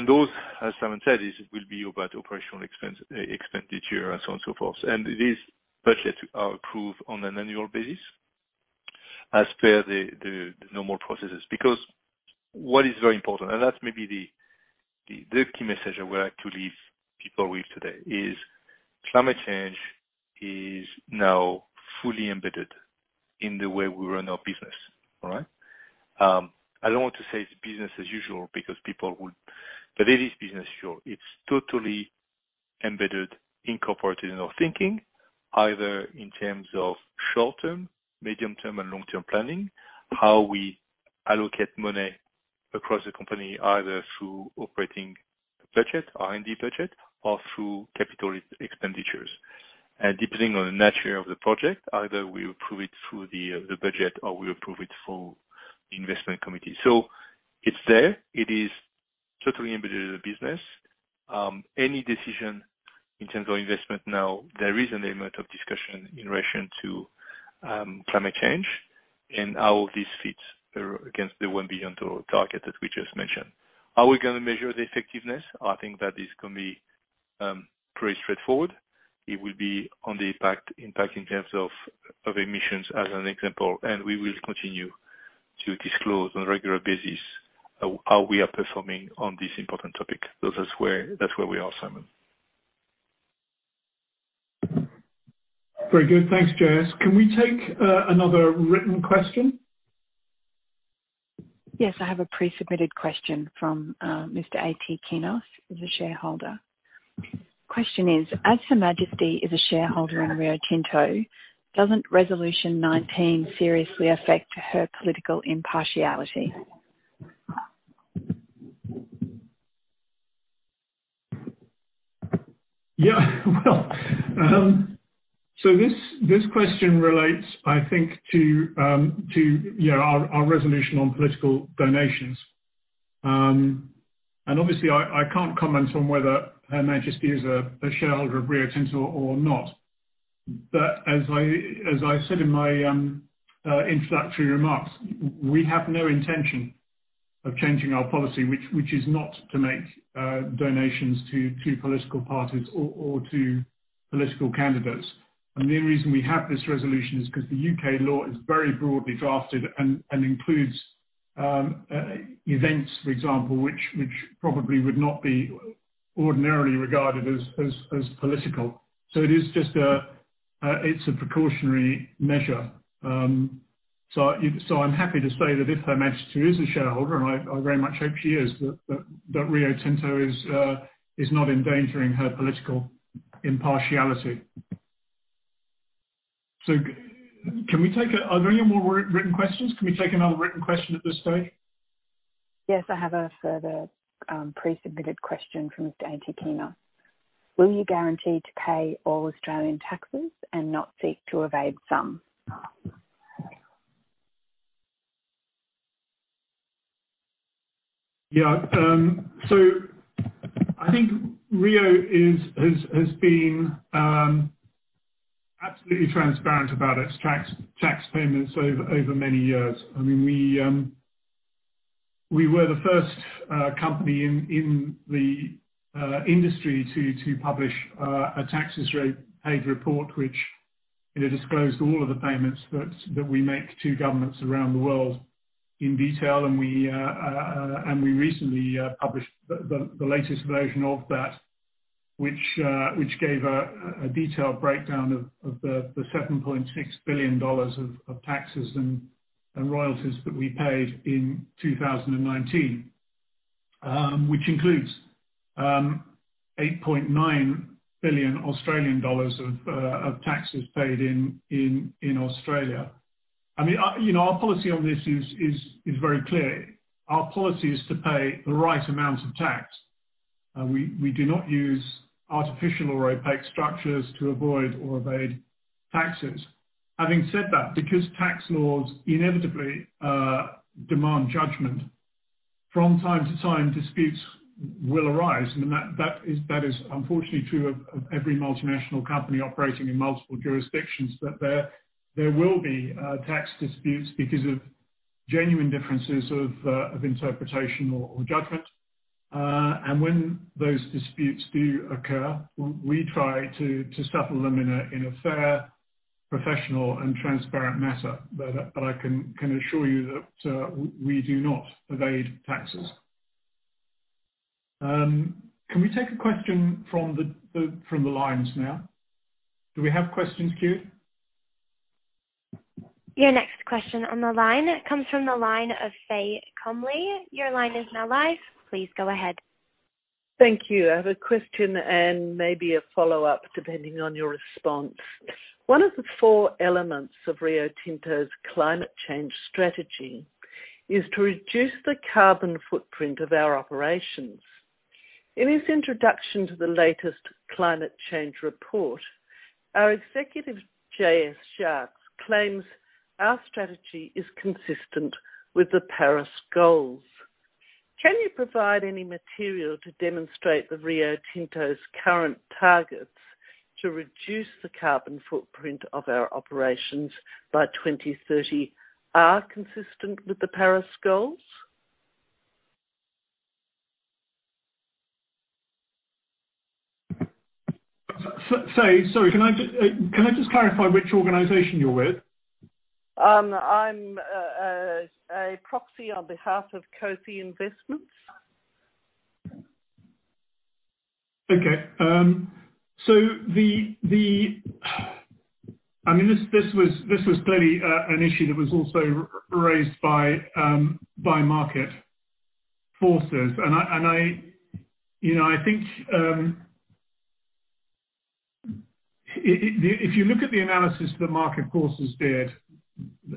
Those, as Simon said, will be about operational expenditure and so on and so forth. These budgets are approved on an annual basis, as per the normal processes. What is very important, and that's maybe the key message I want to leave people with today, is climate change is now fully embedded in the way we run our business. All right. I don't want to say it's business as usual. It is business as usual. It's totally embedded, incorporated in our thinking, either in terms of short-term, medium-term, and long-term planning, how we allocate money across the company, either through operating budget, R&D budget, or through capital expenditures. Depending on the nature of the project, either we approve it through the budget, or we approve it through investment committee. It's there. It is totally embedded in the business. Any decision in terms of investment now, there is an element of discussion in relation to climate change and how this fits against the one billion ton target that we just mentioned. Are we going to measure the effectiveness? I think that is going to be pretty straightforward. It will be on the impact in terms of emissions as an example, and we will continue to disclose on a regular basis how we are performing on this important topic. That's where we are, Simon. Very good. Thanks, J.S. Can we take another written question? Yes, I have a pre-submitted question from [Mr. A.T. Kinos], who is a shareholder. Question is, as Her Majesty is a shareholder in Rio Tinto, doesn't Resolution 19 seriously affect her political impartiality? Yeah. Well, this question relates, I think, to our resolution on political donations. Obviously I can't comment on whether Her Majesty is a shareholder of Rio Tinto or not. As I said in my introductory remarks, we have no intention of changing our policy, which is not to make donations to political parties or to political candidates. The only reason we have this resolution is because the U.K. law is very broadly drafted and includes events, for example, which probably would not be ordinarily regarded as political. It's a precautionary measure. I'm happy to say that if Her Majesty is a shareholder, and I very much hope she is, that Rio Tinto is not endangering her political impartiality. Are there any more written questions? Can we take another written question at this stage? Yes, I have a further pre-submitted question from [Mr. A.T. Kinos]. Will you guarantee to pay all Australian taxes and not seek to evade some? I think Rio has been absolutely transparent about its tax payments over many years. We were the first company in the industry to publish a taxes paid report, which disclosed all of the payments that we make to governments around the world in detail. We recently published the latest version of that, which gave a detailed breakdown of the $7.6 billion of taxes and royalties that we paid in 2019, which includes 8.9 billion Australian dollars of taxes paid in Australia. Our policy on this is very clear. Our policy is to pay the right amount of tax. We do not use artificial or opaque structures to avoid or evade taxes. Having said that, because tax laws inevitably demand judgment, from time to time, disputes will arise. That is unfortunately true of every multinational company operating in multiple jurisdictions, that there will be tax disputes because of genuine differences of interpretation or judgment. When those disputes do occur, we try to settle them in a fair, professional and transparent manner. I can assure you that we do not evade taxes. Can we take a question from the lines now? Do we have questions queued? Your next question on the line comes from the line of Faye Comley. Your line is now live. Please go ahead. Thank you. I have a question and maybe a follow-up, depending on your response. One of the four elements of Rio Tinto's climate change strategy is to reduce the carbon footprint of our operations. In his introduction to the latest climate change report, our executive, Jean-Sébastien Jacques, claims our strategy is consistent with the Paris goals. Can you provide any material to demonstrate that Rio Tinto's current targets to reduce the carbon footprint of our operations by 2030 are consistent with the Paris goals? Sorry, can I just clarify which organization you're with? I'm a proxy on behalf of Kofi Investments. Okay. This was clearly an issue that was also raised by Market Forces. I think if you look at the analysis that Market Forces did,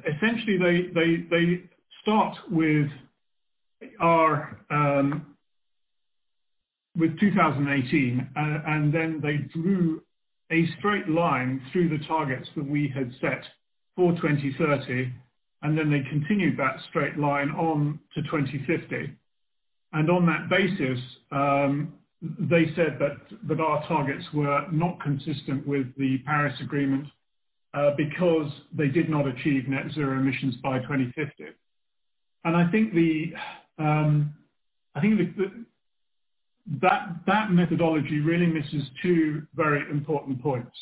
essentially they start with 2018, then they drew a straight line through the targets that we had set for 2030, then they continued that straight line on to 2050. On that basis, they said that our targets were not consistent with the Paris Agreement because they did not achieve net zero emissions by 2050. I think that methodology really misses two very important points.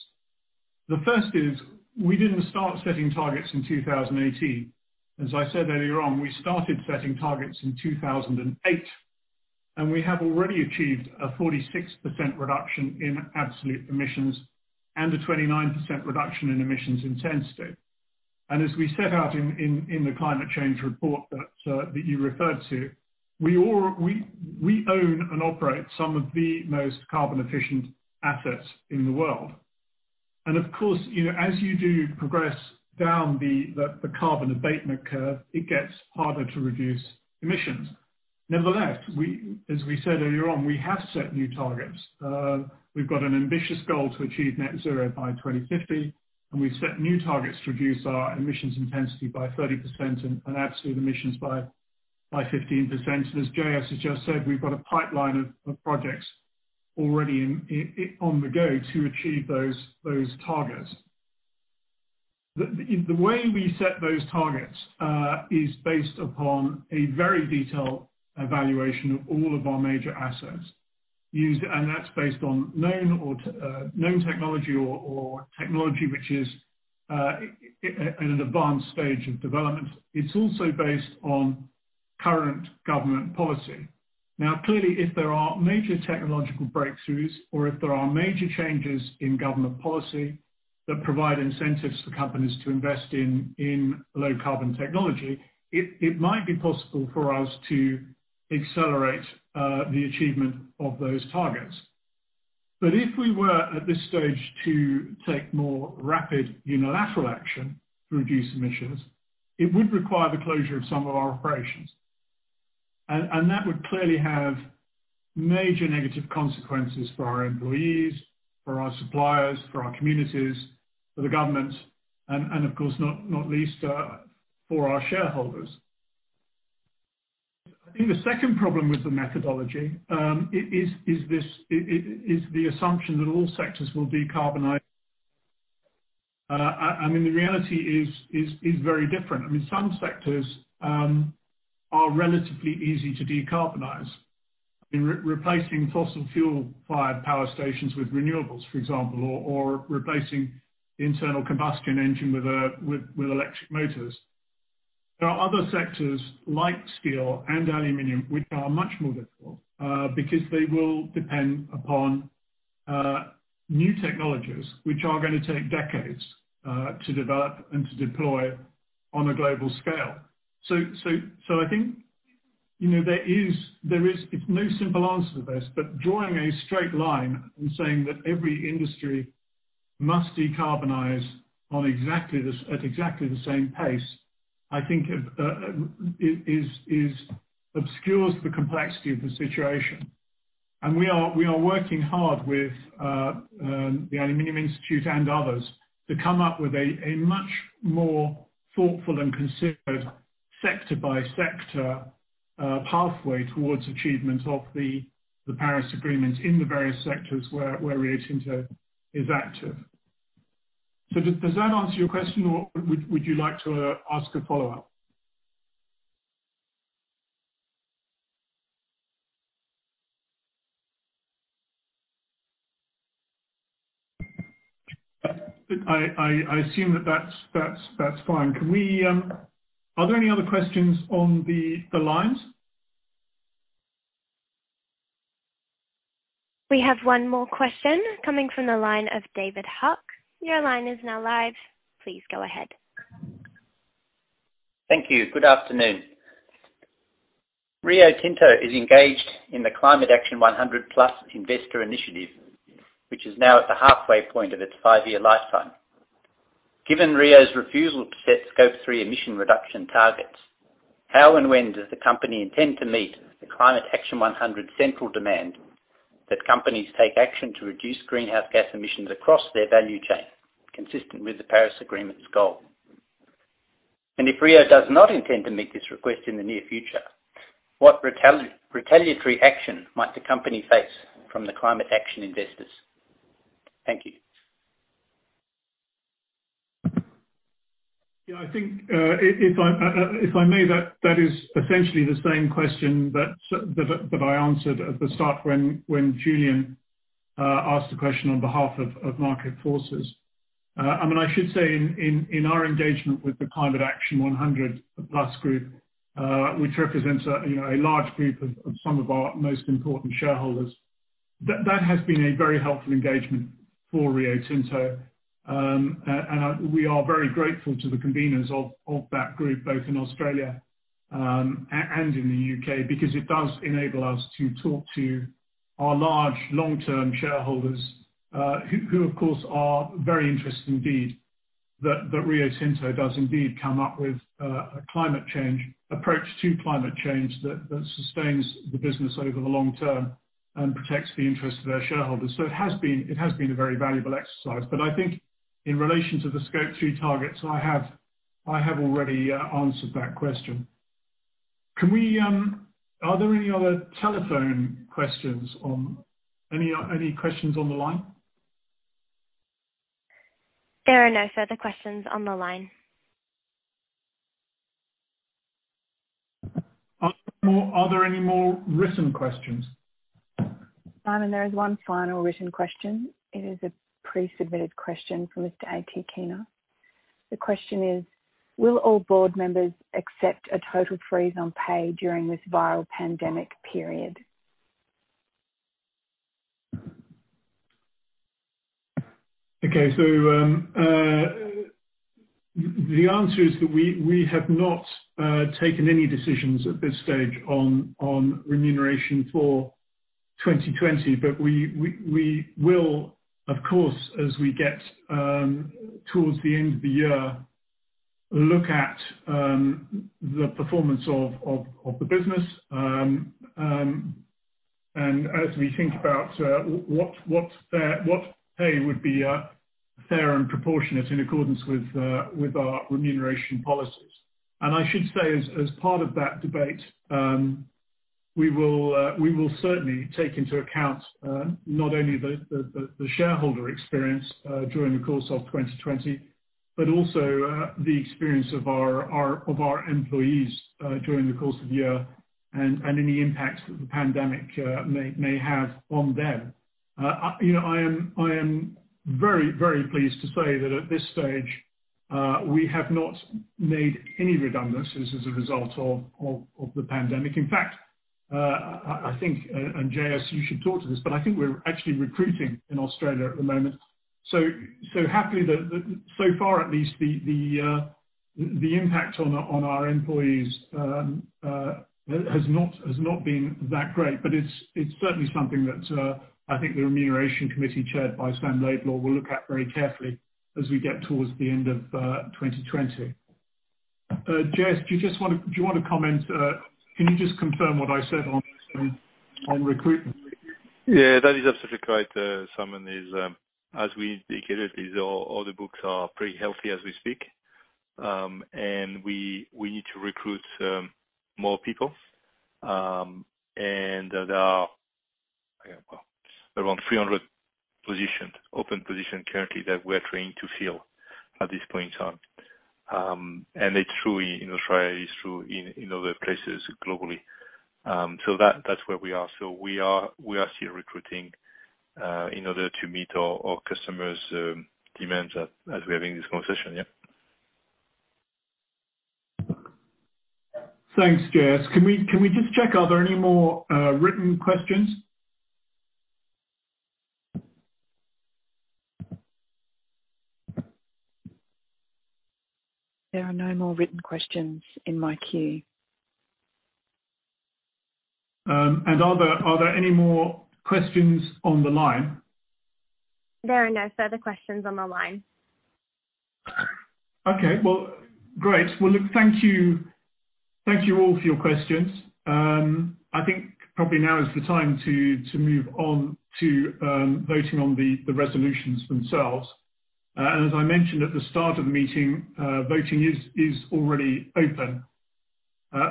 The first is, we didn't start setting targets in 2018. As I said earlier on, we started setting targets in 2008, and we have already achieved a 46% reduction in absolute emissions and a 29% reduction in emissions intensity. As we set out in the climate change report that you referred to, we own and operate some of the most carbon-efficient assets in the world. Of course, as you do progress down the carbon abatement curve, it gets harder to reduce emissions. Nevertheless, as we said earlier on, we have set new targets. We've got an ambitious goal to achieve net zero by 2050, and we've set new targets to reduce our emissions intensity by 30% and absolute emissions by 15%. As JS has just said, we've got a pipeline of projects already on the go to achieve those targets. The way we set those targets is based upon a very detailed evaluation of all of our major assets. That's based on known technology or technology which is in an advanced stage of development. It's also based on current government policy. Now, clearly, if there are major technological breakthroughs or if there are major changes in government policy that provide incentives for companies to invest in low-carbon technology, it might be possible for us to accelerate the achievement of those targets. If we were at this stage to take more rapid unilateral action to reduce emissions, it would require the closure of some of our operations. That would clearly have major negative consequences for our employees, for our suppliers, for our communities, for the government, and of course, not least, for our shareholders. I think the second problem with the methodology is the assumption that all sectors will decarbonize. The reality is very different. Some sectors are relatively easy to decarbonize. Replacing fossil fuel power stations with renewables, for example, or replacing internal combustion engine with electric motors. There are other sectors like steel and aluminium, which are much more difficult because they will depend upon new technologies, which are going to take decades to develop and to deploy on a global scale. I think there is no simple answer to this, but drawing a straight line and saying that every industry must decarbonize at exactly the same pace, I think obscures the complexity of the situation. We are working hard with the Aluminium Institute and others to come up with a much more thoughtful and considered sector-by-sector pathway towards achievement of the Paris Agreement in the various sectors where Rio Tinto is active. Does that answer your question or would you like to ask a follow-up? I assume that that's fine. Are there any other questions on the lines? We have one more question coming from the line of David Huck. Your line is now live. Please go ahead. Thank you. Good afternoon. Rio Tinto is engaged in the Climate Action 100+ investor initiative, which is now at the halfway point of its five-year lifetime. Given Rio’s refusal to set Scope 3 emission reduction targets, how and when does the company intend to meet the Climate Action 100 central demand that companies take action to reduce greenhouse gas emissions across their value chain consistent with the Paris Agreement’s goal? If Rio does not intend to meet this request in the near future, what retaliatory action might the company face from the Climate Action investors? Thank you. Yeah, I think if I may, that is essentially the same question that I answered at the start when Julien asked a question on behalf of Market Forces. I should say in our engagement with the Climate Action 100+ group, which represents a large group of some of our most important shareholders. That has been a very helpful engagement for Rio Tinto, and we are very grateful to the conveners of that group, both in Australia and in the U.K., because it does enable us to talk to our large long-term shareholders, who of course are very interested indeed that Rio Tinto does indeed come up with approach to climate change that sustains the business over the long term and protects the interest of our shareholders. It has been a very valuable exercise. I think in relation to the Scope 3 targets, I have already answered that question. Are there any other telephone questions on the line? There are no further questions on the line. Are there any more written questions? Simon, there is one final written question. It is a pre-submitted question from [Mr. A. T. Kinos]. The question is: Will all board members accept a total freeze on pay during this viral pandemic period? The answer is that we have not taken any decisions at this stage on remuneration for 2020. We will, of course, as we get towards the end of the year, look at the performance of the business, and as we think about what pay would be fair and proportionate in accordance with our remuneration policies. I should say, as part of that debate, we will certainly take into account not only the shareholder experience during the course of 2020, but also the experience of our employees during the course of the year and any impacts that the pandemic may have on them. I am very pleased to say that at this stage, we have not made any redundancies as a result of the pandemic. In fact, I think, JS, you should talk to this, I think we're actually recruiting in Australia at the moment. Happy that so far at least, the impact on our employees has not been that great, it's certainly something that I think the Remuneration Committee chaired by Sam Laidlaw will look at very carefully as we get towards the end of 2020. JS, do you want to comment? Can you just confirm what I said on recruitment? Yeah, that is absolutely correct, Simon. As we indicated, all the books are pretty healthy as we speak. We need to recruit some more people. There are around 300 open positions currently that we're trying to fill at this point on. It's true in Australia, it's true in other places globally. That's where we are. We are still recruiting in order to meet our customers' demands as we are having this conversation. Yeah. Thanks, J.S. Can we just check, are there any more written questions? There are no more written questions in my queue. Are there any more questions on the line? There are no further questions on the line. Okay. Well, great. Thank you all for your questions. I think probably now is the time to move on to voting on the resolutions themselves. As I mentioned at the start of the meeting, voting is already open.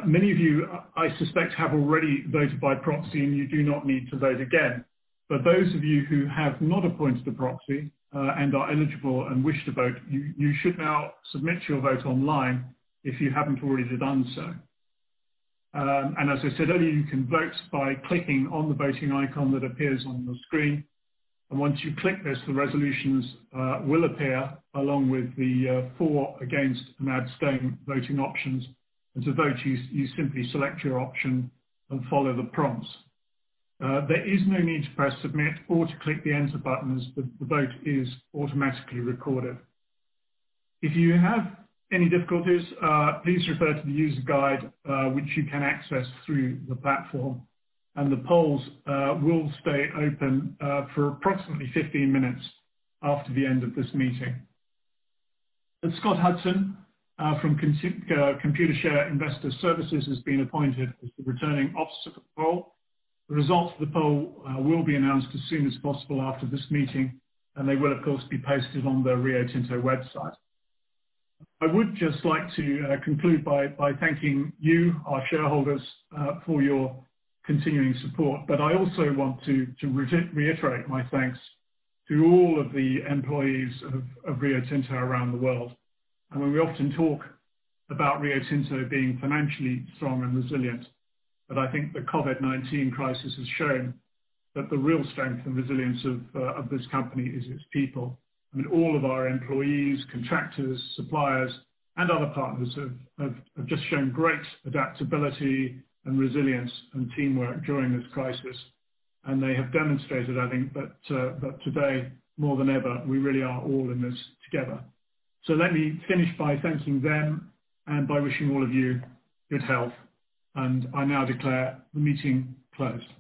Many of you, I suspect, have already voted by proxy. You do not need to vote again. Those of you who have not appointed a proxy and are eligible and wish to vote, you should now submit your vote online if you haven't already done so. As I said earlier, you can vote by clicking on the voting icon that appears on the screen. Once you click this, the resolutions will appear along with the for, against, and abstain voting options. To vote, you simply select your option and follow the prompts. There is no need to press submit or to click the enter button, as the vote is automatically recorded. If you have any difficulties, please refer to the user guide, which you can access through the platform. The polls will stay open for approximately 15 minutes after the end of this meeting. Scott Hudson from Computershare Investor Services has been appointed as the Returning Officer for the poll. The results of the poll will be announced as soon as possible after this meeting, and they will, of course, be posted on the Rio Tinto website. I would just like to conclude by thanking you, our shareholders, for your continuing support. I also want to reiterate my thanks to all of the employees of Rio Tinto around the world. We often talk about Rio Tinto being financially strong and resilient, but I think the COVID-19 crisis has shown that the real strength and resilience of this company is its people. All of our employees, contractors, suppliers, and other partners have just shown great adaptability and resilience and teamwork during this crisis. They have demonstrated, I think, that today, more than ever, we really are all in this together. Let me finish by thanking them and by wishing all of you good health, and I now declare the meeting closed.